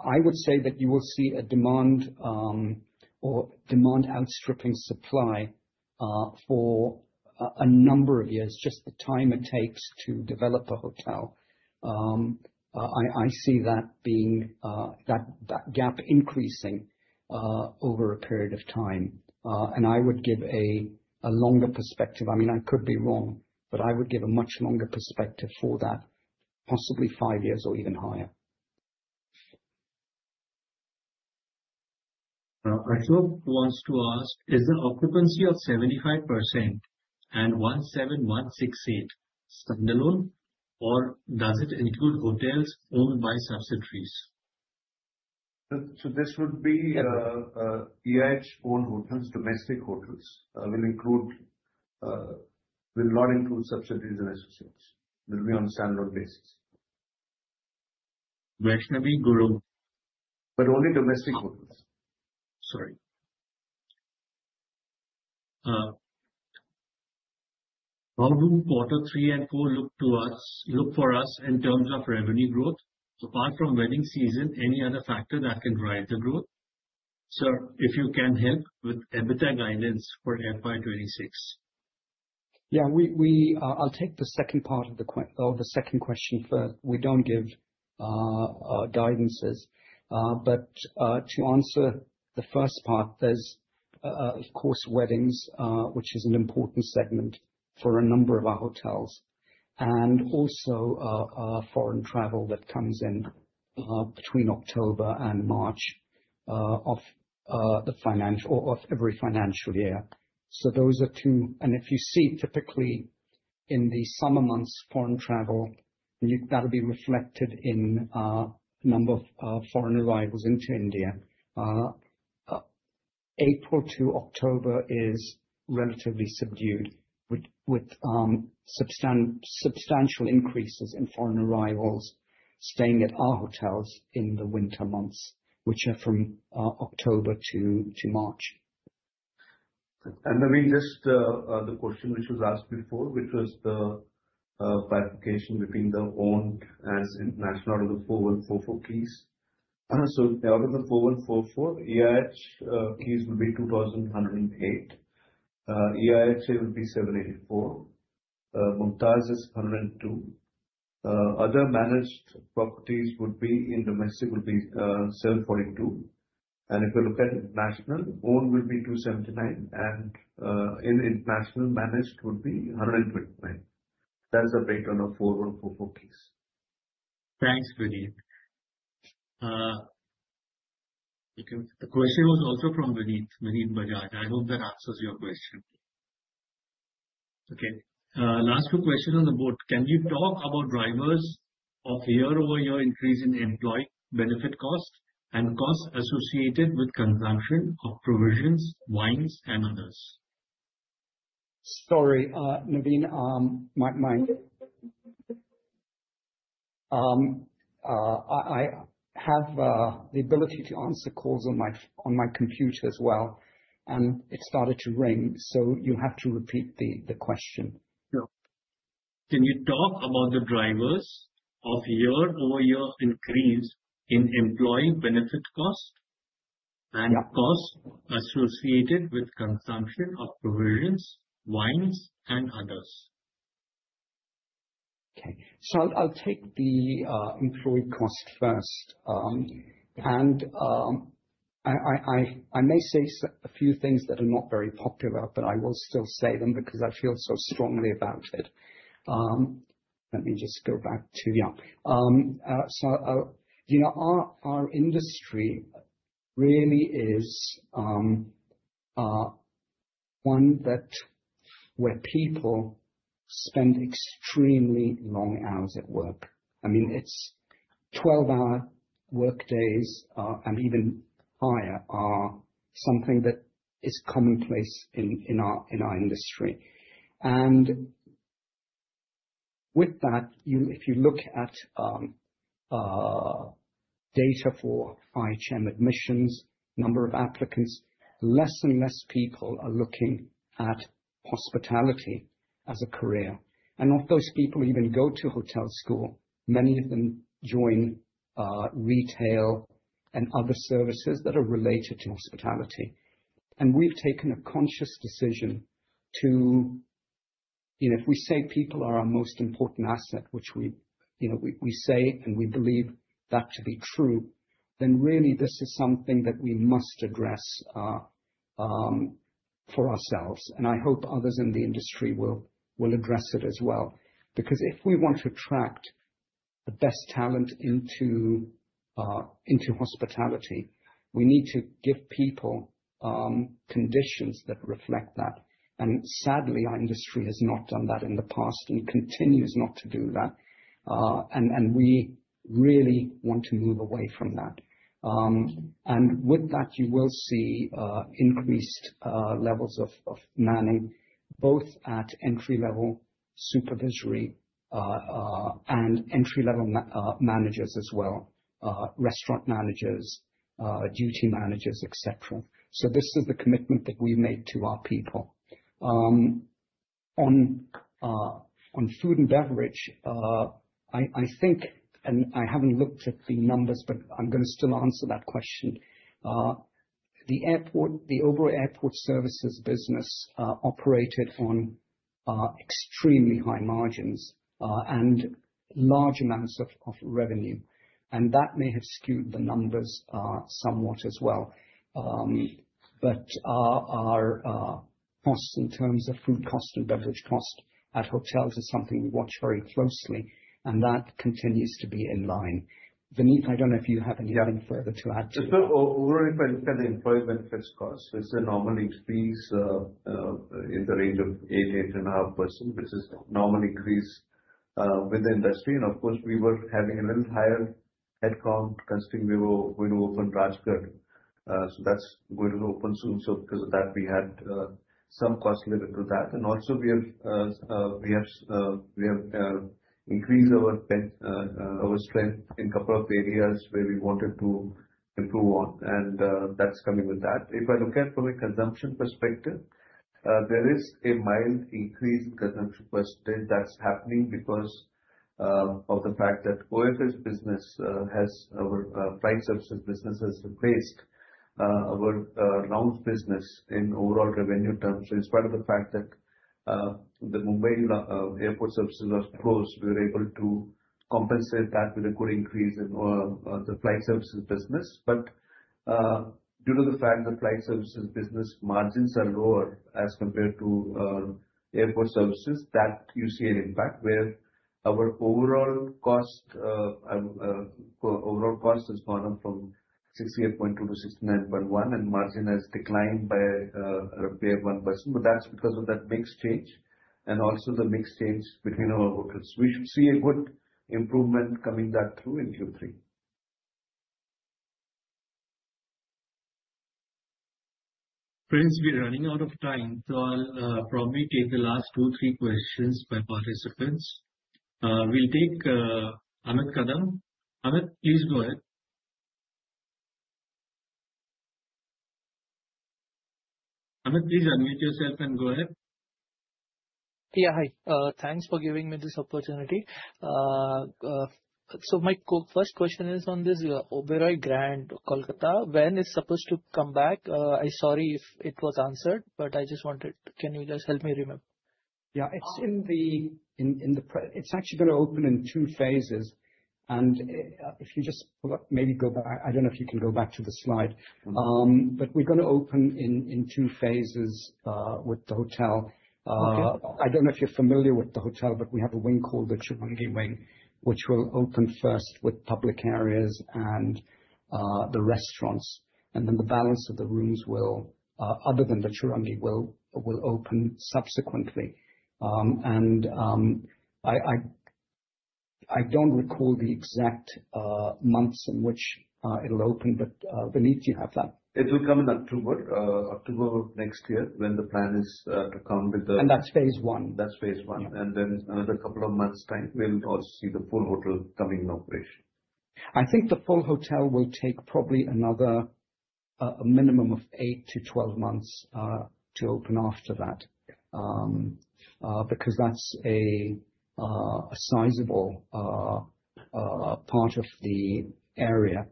I would say that you will see a demand or demand outstripping supply for a number of years, just the time it takes to develop a hotel. I see that gap increasing over a period of time. I would give a longer perspective. I mean, I could be wrong, but I would give a much longer perspective for that, possibly five years or even higher. Rachel wants to ask, is the occupancy of 75% and 17,168 standalone, or does it include hotels owned by subsidiaries? This would be EIH owned hotels, domestic hotels. Will not include subsidiaries and associates. Will be on standalone basis. Vaishnavi Guru. Only domestic hotels. Sorry. How do quarter three and four look for us in terms of revenue growth? Apart from wedding season, any other factor that can drive the growth? Sir, if you can help with EBITDA guidance for FY 2026. Yeah. I'll take the second part of the second question first. We don't give guidances. To answer the first part, there's, of course, weddings, which is an important segment for a number of our hotels. Also, foreign travel that comes in between October and March of every financial year. Those are two. If you see typically in the summer months, foreign travel, that'll be reflected in a number of foreign arrivals into India. April to October is relatively subdued with substantial increases in foreign arrivals staying at our hotels in the winter months, which are from October to March. I mean, just the question which was asked before, which was the bifurcation between the owned and international out of the 4,144 keys. Out of the 4,144, EIH keys will be 2,108. EIHA will be 784. Mumtaz is 102. Other managed properties would be in domestic would be 742. If we look at national, owned will be 279. In international managed would be 129. That is the breakdown of 4,144 keys. Thanks, Vineet. The question was also from Vineet, Vineet Bajaj. I hope that answers your question. Okay. Last two questions on the board. Can you talk about drivers of year-over-year increase in employee benefit cost and cost associated with consumption of provisions, wines, and others? Sorry, Navin. I have the ability to answer calls on my computer as well. It started to ring. You have to repeat the question. Can you talk about the drivers of year-over-year increase in employee benefit cost and cost associated with consumption of provisions, wines, and others? Okay. I'll take the employee cost first. I may say a few things that are not very popular, but I will still say them because I feel so strongly about it. Let me just go back to, yeah. Our industry really is one where people spend extremely long hours at work. I mean, 12-hour workdays and even higher are something that is commonplace in our industry. With that, if you look at data for high-chamber admissions, number of applicants, less and less people are looking at hospitality as a career. Not those people even go to hotel school. Many of them join retail and other services that are related to hospitality. We have taken a conscious decision to, if we say people are our most important asset, which we say and we believe that to be true, then really this is something that we must address for ourselves. I hope others in the industry will address it as well. If we want to attract the best talent into hospitality, we need to give people conditions that reflect that. Sadly, our industry has not done that in the past and continues not to do that. We really want to move away from that. With that, you will see increased levels of manning both at entry-level supervisory and entry-level managers as well, restaurant managers, duty managers, etc. This is the commitment that we have made to our people. On food and beverage, I think, and I have not looked at the numbers, but I am going to still answer that question. The overall airport services business operated on extremely high margins and large amounts of revenue. That may have skewed the numbers somewhat as well. Our cost in terms of food cost and beverage cost at hotels is something we watch very closely. That continues to be in line. Vineet, I do not know if you have anything further to add to that. Just to override the employee benefits cost, which normally increase in the range of 8%-8.5%, which is normally increase with the industry. Of course, we were having a little higher headcount considering we were going to open Rajgarh. That is going to open soon. Because of that, we had some cost limit to that. Also, we have increased our strength in a couple of areas where we wanted to improve on. That is coming with that. If I look at from a consumption perspective, there is a mild increase in consumption percentage that is happening because of the fact that OFS business, our flight services business, has replaced our lounge business in overall revenue terms. In spite of the fact that the Mumbai airport services was closed, we were able to compensate that with a good increase in the flight services business. Due to the fact that flight services business margins are lower as compared to airport services, you see an impact where our overall cost has gone up from 68.2 crore to 69.1 crore, and margin has declined by a rare 1%. That is because of that mix change and also the mix change between our hotels. We should see a good improvement coming through in Q3. Friends, we're running out of time. I'll probably take the last two or three questions by participants. We'll take Amit Kadam. Amit, please go ahead. Amit, please unmute yourself and go ahead. Yeah. Hi. Thanks for giving me this opportunity. My first question is on this Oberoi Grand, Kolkata. When is it supposed to come back? I'm sorry if it was answered, but I just wanted to, can you just help me remember? Yeah. It's actually going to open in two phases. If you just maybe go back, I do not know if you can go back to the slide. We are going to open in two phases with the hotel. I do not know if you are familiar with the hotel, but we have a wing called the Chourangi Wing, which will open first with public areas and the restaurants. The balance of the rooms, other than the Chourangi, will open subsequently. I do not recall the exact months in which it will open, but Vineet, you have that? It will come in October, October next year when the plan is to come with the. That's phase one. That's phase one. In another couple of months' time, we'll also see the full hotel coming in operation. I think the full hotel will take probably another minimum of eight to twelve months to open after that because that is a sizable part of the area.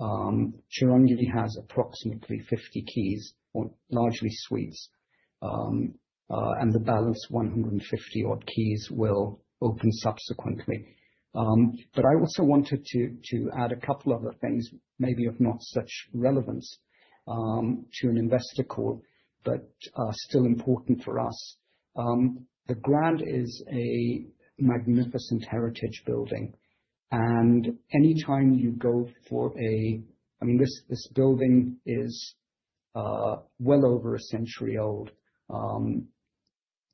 Chourangi has approximately 50 keys or largely suites. The balance, 150-odd keys, will open subsequently. I also wanted to add a couple of other things, maybe of not such relevance to an investor call, but still important for us. The Grand is a magnificent heritage building. Anytime you go for a—I mean, this building is well over a century old.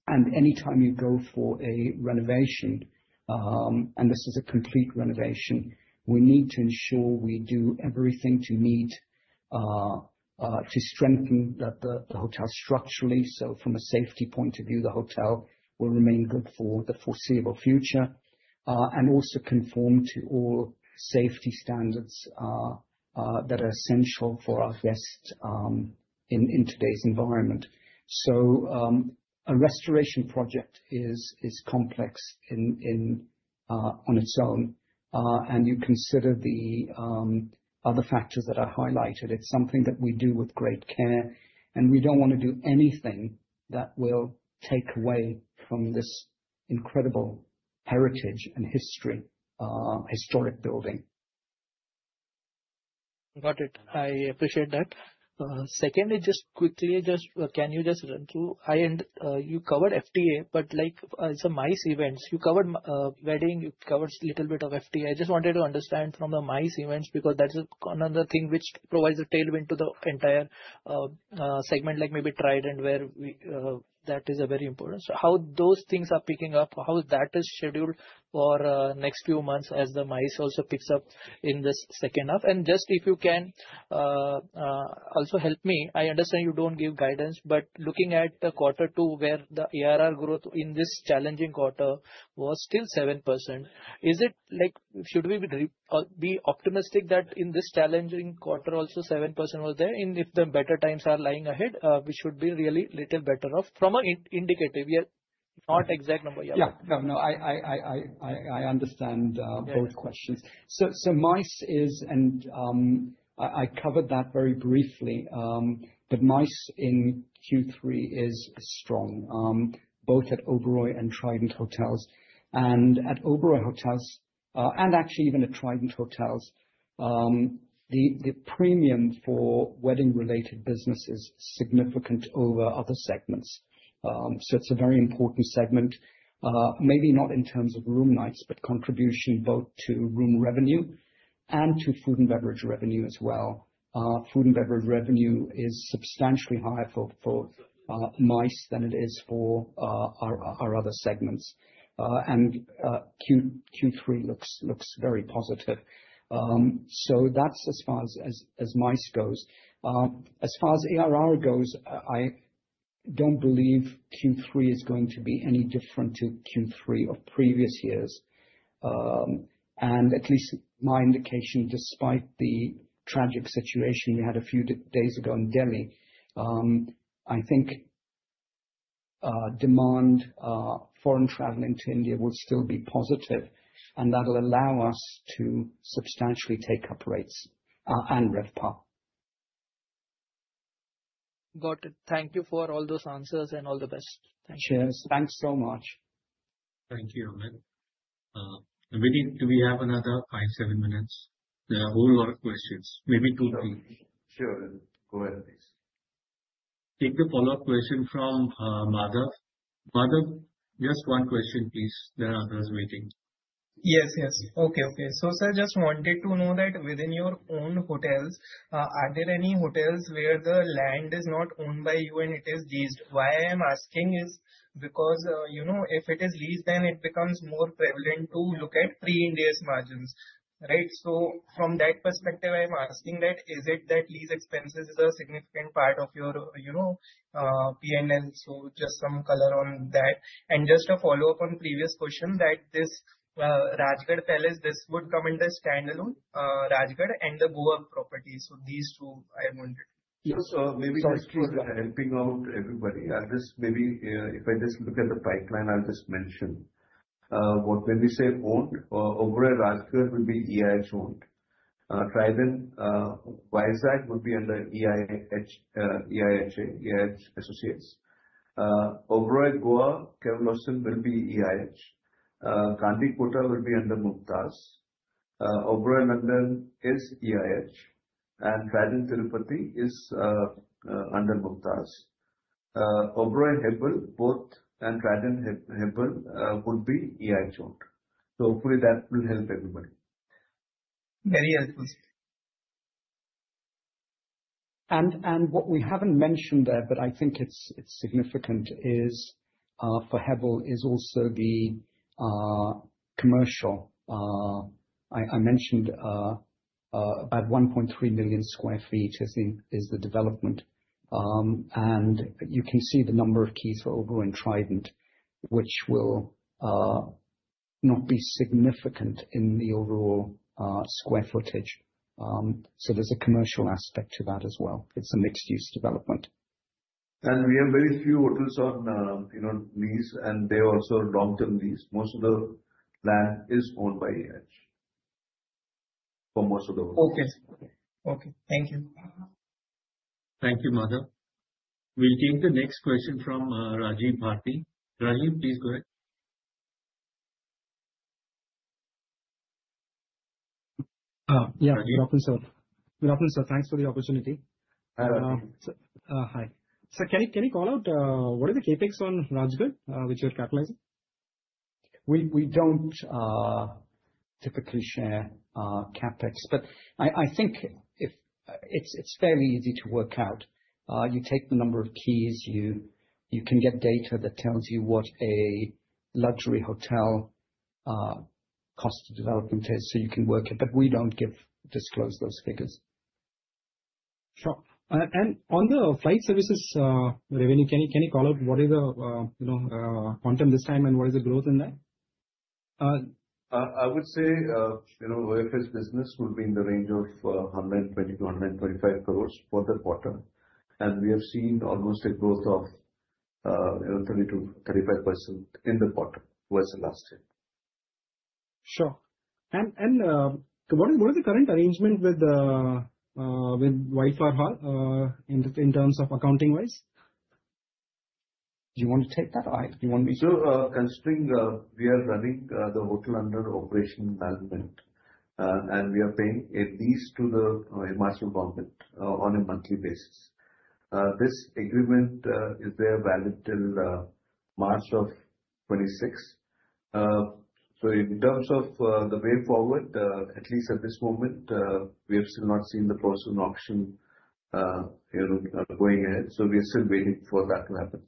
Anytime you go for a renovation, and this is a complete renovation, we need to ensure we do everything to strengthen the hotel structurally. From a safety point of view, the hotel will remain good for the foreseeable future and also conform to all safety standards that are essential for our guests in today's environment. A restoration project is complex on its own. When you consider the other factors that are highlighted, it's something that we do with great care. We do not want to do anything that will take away from this incredible heritage and historic building. Got it. I appreciate that. Secondly, just quickly, can you just run through? You covered FTA, but it's a MICE event. You covered wedding. You covered a little bit of FTA. I just wanted to understand from the MICE events because that's another thing which provides a tailwind to the entire segment, like maybe Trident and where that is very important. How those things are picking up, how that is scheduled for next few months as the MICE also picks up in the second half. If you can also help me, I understand you don't give guidance, but looking at quarter two, where the ARR growth in this challenging quarter was still 7%, should we be optimistic that in this challenging quarter, also 7% was there? If the better times are lying ahead, we should be really a little better off from an indicator. We are not exact number. Yeah. No, no. I understand both questions. MICE is, and I covered that very briefly, but MICE in Q3 is strong, both at Oberoi and Trident hotels. At Oberoi hotels, and actually even at Trident hotels, the premium for wedding-related business is significant over other segments. It is a very important segment, maybe not in terms of room nights, but contribution both to room revenue and to food and beverage revenue as well. Food and beverage revenue is substantially higher for MICE than it is for our other segments. Q3 looks very positive. That is as far as MICE goes. As far as ARR goes, I do not believe Q3 is going to be any different to Q3 of previous years. At least my indication, despite the tragic situation we had a few days ago in Delhi, I think demand, foreign traveling to India will still be positive. That will allow us to substantially take up rates and RevPAR. Got it. Thank you for all those answers and all the best. Thank you. Cheers. Thanks so much. Thank you, Amit. Vineet, do we have another five to seven minutes? There are a whole lot of questions. Maybe two or three. Sure. Go ahead, please. Take the follow-up question from Madhav. Madhav, just one question, please. There are others waiting. Yes, yes. Okay, okay. Sir, just wanted to know that within your own hotels, are there any hotels where the land is not owned by you and it is leased? Why I am asking is because if it is leased, then it becomes more prevalent to look at pre-index margins, right? From that perspective, I am asking that is it that lease expenses is a significant part of your P&L? Just some color on that. Just a follow-up on previous question, this Rajgarh Palace, this would come under standalone Rajgarh and the Goa property. These two I wanted to. Maybe just for helping out everybody, I'll just, maybe if I just look at the pipeline, I'll just mention when we say owned, Oberoi Rajgarh will be EIH owned. Trident in Visak would be under EIH Associates. Oberoi Goa, Cavelossim will be EIH. Gandikota will be under Mumtaz. Oberoi London is EIH. And Trident Tirupati is under Mumtaz. Oberoi Hebbal, both, and Trident Hebbal would be EIH owned. Hopefully that will help everybody. Very helpful. What we have not mentioned there, but I think it is significant, is for Hebbal is also the commercial. I mentioned about 1.3 million sq ft is the development. You can see the number of keys for Oberoi and Trident, which will not be significant in the overall square footage. There is a commercial aspect to that as well. It is a mixed-use development. We have very few hotels on lease, and they also are long-term lease. Most of the land is owned by EIH for most of the hotels. Okay. Okay. Thank you. Thank you, Madhav. We'll take the next question from Rajiv Bharati. Rajiv, please go ahead. Yeah. Your office. Your officer. Thanks for the opportunity. Hi. Sir, can you call out what is the CapEx on Rajgarh, which you're capitalizing? We do not typically share CapEx, but I think it is fairly easy to work out. You take the number of keys. You can get data that tells you what a luxury hotel cost development is, so you can work it. We do not disclose those figures. Sure. On the flight services revenue, can you call out what is the quantum this time and what is the growth in that? I would say OFS business would be in the range of 120 crore-125 crore for the quarter. We have seen almost a growth of 30%-35% in the quarter versus last year. Sure. What is the current arrangement with Wildflower Hall in terms of accounting-wise? Do you want to take that or I? Considering we are running the hotel under operation management, and we are paying a lease to the Himachal government on a monthly basis. This agreement is valid till March 2026. In terms of the way forward, at least at this moment, we have still not seen the process of an auction going ahead. We are still waiting for that to happen.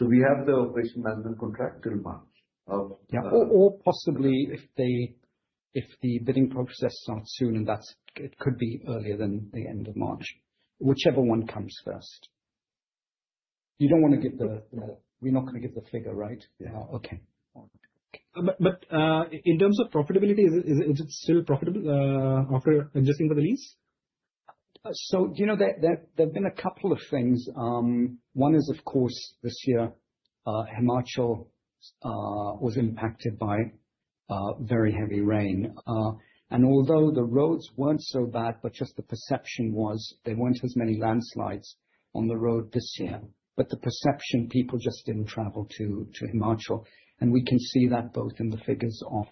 We have the operation management contract till March. Yeah. Or possibly if the bidding process starts soon, and it could be earlier than the end of March, whichever one comes first. You do not want to give the we are not going to give the figure, right? Yeah. Okay. In terms of profitability, is it still profitable after adjusting for the lease? There have been a couple of things. One is, of course, this year, Himachal was impacted by very heavy rain. Although the roads were not so bad, the perception was there were not as many landslides on the road this year. The perception, people just did not travel to Himachal. We can see that both in the figures of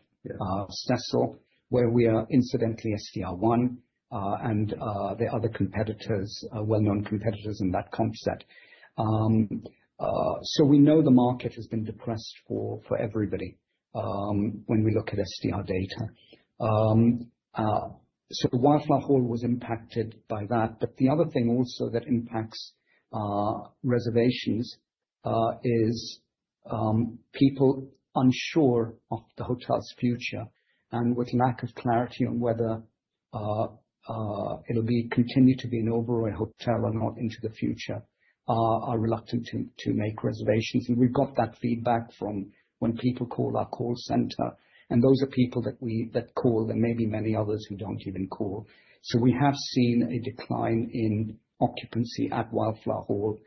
Cecil, where we are incidentally STR1, and the other competitors, well-known competitors in that concept. We know the market has been depressed for everybody when we look at STR data. Wildflower Hall was impacted by that. The other thing also that impacts reservations is people unsure of the hotel's future, and with lack of clarity on whether it will continue to be an Oberoi hotel or not into the future, are reluctant to make reservations. We have got that feedback from when people call our call center. Those are people that call, and maybe many others who do not even call. We have seen a decline in occupancy at Wildflower Hall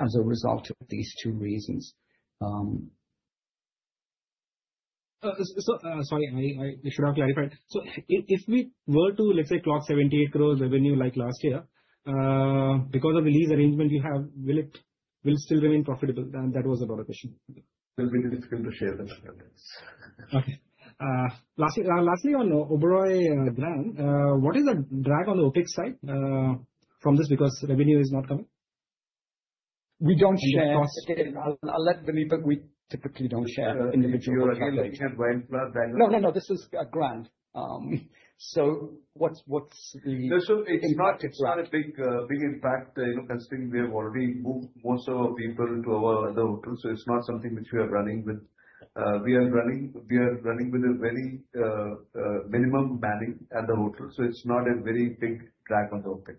as a result of these two reasons. Sorry, I should have clarified. If we were to, let's say, clock 78 crore revenue like last year, because of the lease arrangement you have, will it still remain profitable? That was a broader question. It'll be difficult to share that. Okay. Lastly, on Oberoi Grand, what is the drag on the OpEx side from this because revenue is not coming? We do not share it. I'll let Vineet, but we typically do not share individual revenue. No, no, no. This is a Grand. What's the? It is not a big impact. Considering we have already moved most of our people to our other hotels, it is not something which we are running with. We are running with a very minimum manning at the hotel. It is not a very big drag on the OpEx.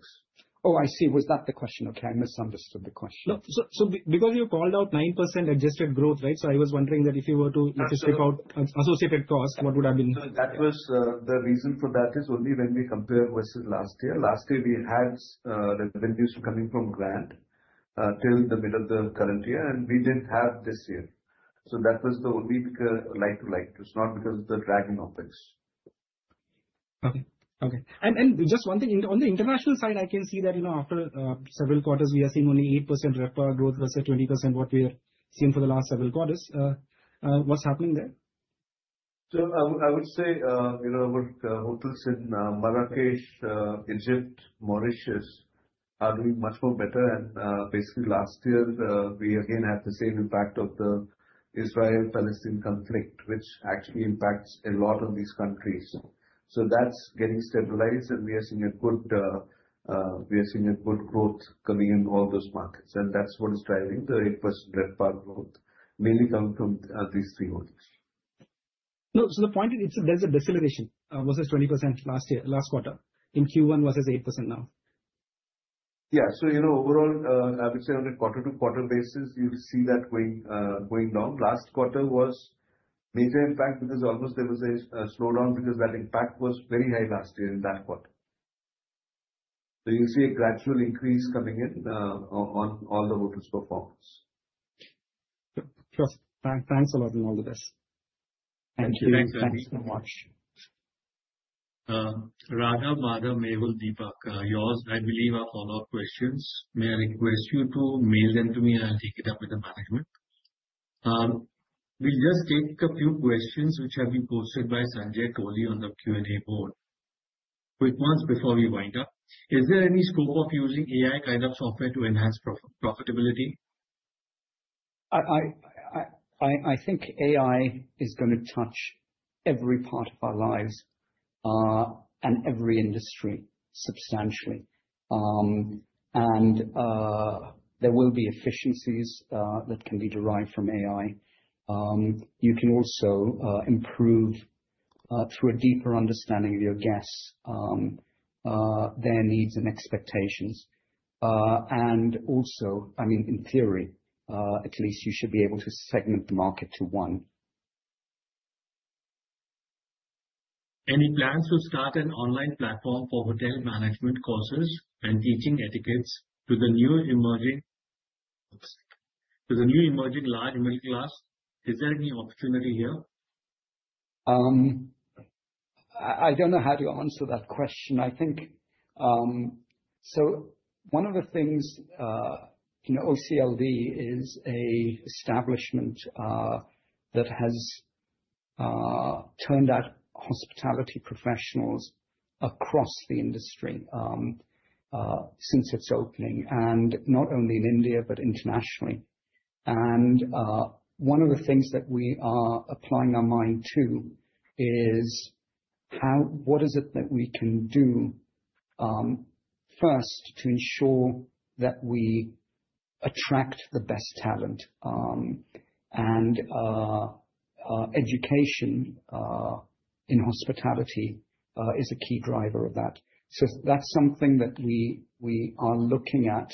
Oh, I see. Was that the question? Okay. I misunderstood the question. No. Because you called out 9% adjusted growth, right? I was wondering that if you were to strip out associated costs, what would it have been? That was the reason for that is only when we compare versus last year. Last year, we had revenues coming from Grand till the middle of the current year, and we did not have this year. That was the only like-to-like. It is not because of the dragging OpEx. Okay. Okay. Just one thing. On the international side, I can see that after several quarters, we are seeing only 8% RevPAR growth versus 20% what we have seen for the last several quarters. What's happening there? I would say our hotels in Marrakesh, Egypt, Mauritius are doing much more better. Basically, last year, we again had the same impact of the Israel-Palestine conflict, which actually impacts a lot of these countries. That is getting stabilized, and we are seeing a good growth coming in all those markets. That is what is driving the 8% RevPAR growth, mainly coming from these three hotels. The point is there's a deceleration versus 20% last year, last quarter in Q1 versus 8% now. Yeah. Overall, I would say on a quarter-to-quarter basis, you'll see that going down. Last quarter was major impact because almost there was a slowdown because that impact was very high last year in that quarter. You'll see a gradual increase coming in on all the hotels' performance. Sure. Thanks a lot on all of this. Thank you. Thank you so much. Raghav, Madhav, Malik, Deepak, yours, I believe, are follow-up questions. May I request you to mail them to me? I'll take it up with the management. We'll just take a few questions which have been posted by Sanjay Toli on the Q&A board. Quick ones before we wind up. Is there any scope of using AI kind of software to enhance profitability? I think AI is going to touch every part of our lives and every industry substantially. There will be efficiencies that can be derived from AI. You can also improve through a deeper understanding of your guests, their needs, and expectations. I mean, in theory, at least you should be able to segment the market to one. Any plans to start an online platform for hotel management courses and teaching etiquettes to the new emerging large middle class? Is there any opportunity here? I do not know how to answer that question. One of the things OCLD is an establishment that has turned out hospitality professionals across the industry since its opening, and not only in India, but internationally. One of the things that we are applying our mind to is what is it that we can do first to ensure that we attract the best talent. Education in hospitality is a key driver of that. That is something that we are looking at.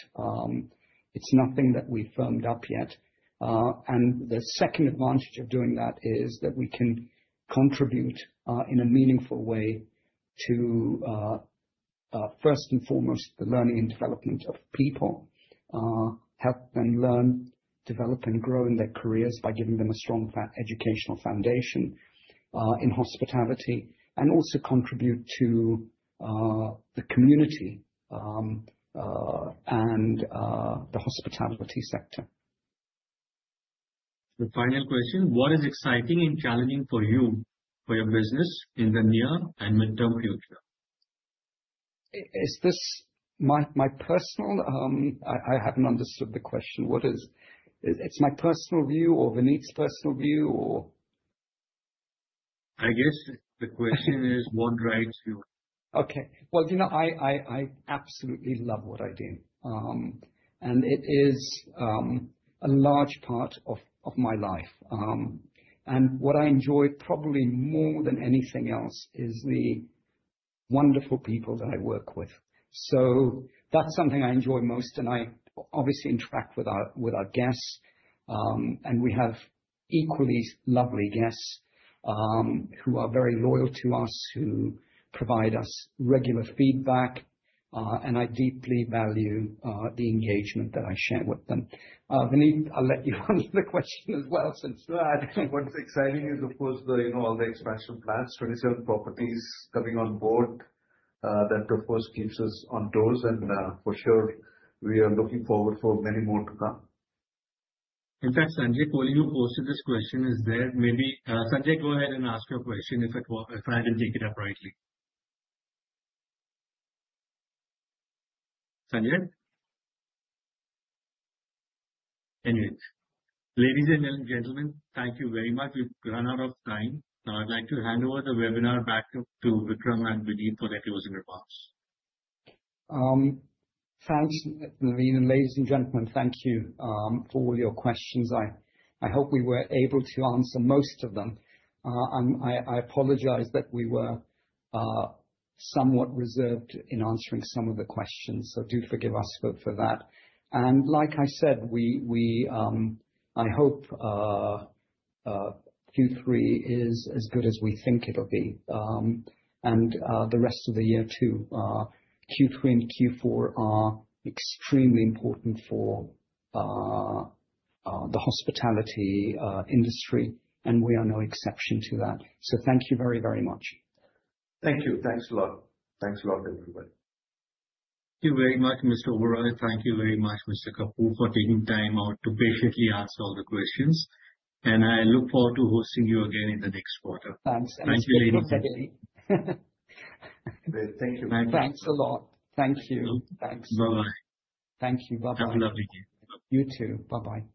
It is nothing that we have firmed up yet. The second advantage of doing that is that we can contribute in a meaningful way to, first and foremost, the learning and development of people, help them learn, develop, and grow in their careers by giving them a strong educational foundation in hospitality, and also contribute to the community and the hospitality sector. The final question. What is exciting and challenging for you, for your business in the near and midterm future? Is this my personal? I haven't understood the question. What is it? It's my personal view or Vineet's personal view or? I guess the question is what drives you. Okay. I absolutely love what I do. It is a large part of my life. What I enjoy probably more than anything else is the wonderful people that I work with. That is something I enjoy most. I obviously interact with our guests. We have equally lovely guests who are very loyal to us, who provide us regular feedback. I deeply value the engagement that I share with them. Vineet, I'll let you answer the question as well since that. What's exciting is, of course, all the expansion plans, 27 properties coming on board. That, of course, keeps us on toes. For sure, we are looking forward for many more to come. In fact, Sanjay Toli who posted this question is there. Maybe Sanjay, go ahead and ask your question if I did not take it up rightly. Sanjay? Anyway, ladies and gentlemen, thank you very much. We have run out of time. Now, I would like to hand over the webinar back to Vikram and Vineet for letting us in advance. Thanks, Vineet. Ladies and gentlemen, thank you for all your questions. I hope we were able to answer most of them. I apologize that we were somewhat reserved in answering some of the questions. Do forgive us for that. I hope Q3 is as good as we think it will be, and the rest of the year too. Q3 and Q4 are extremely important for the hospitality industry, and we are no exception to that. Thank you very, very much. Thank you. Thanks a lot. Thanks a lot, everybody. Thank you very much, Mr. Oberoi. Thank you very much, Mr. Kapur, for taking time out to patiently answer all the questions. I look forward to hosting you again in the next quarter. Thanks. Thank you, Navin. Thank you. Thanks a lot. Thank you. Thanks. Bye-bye. Thank you. Bye-bye. Have a lovely day. You too. Bye-bye.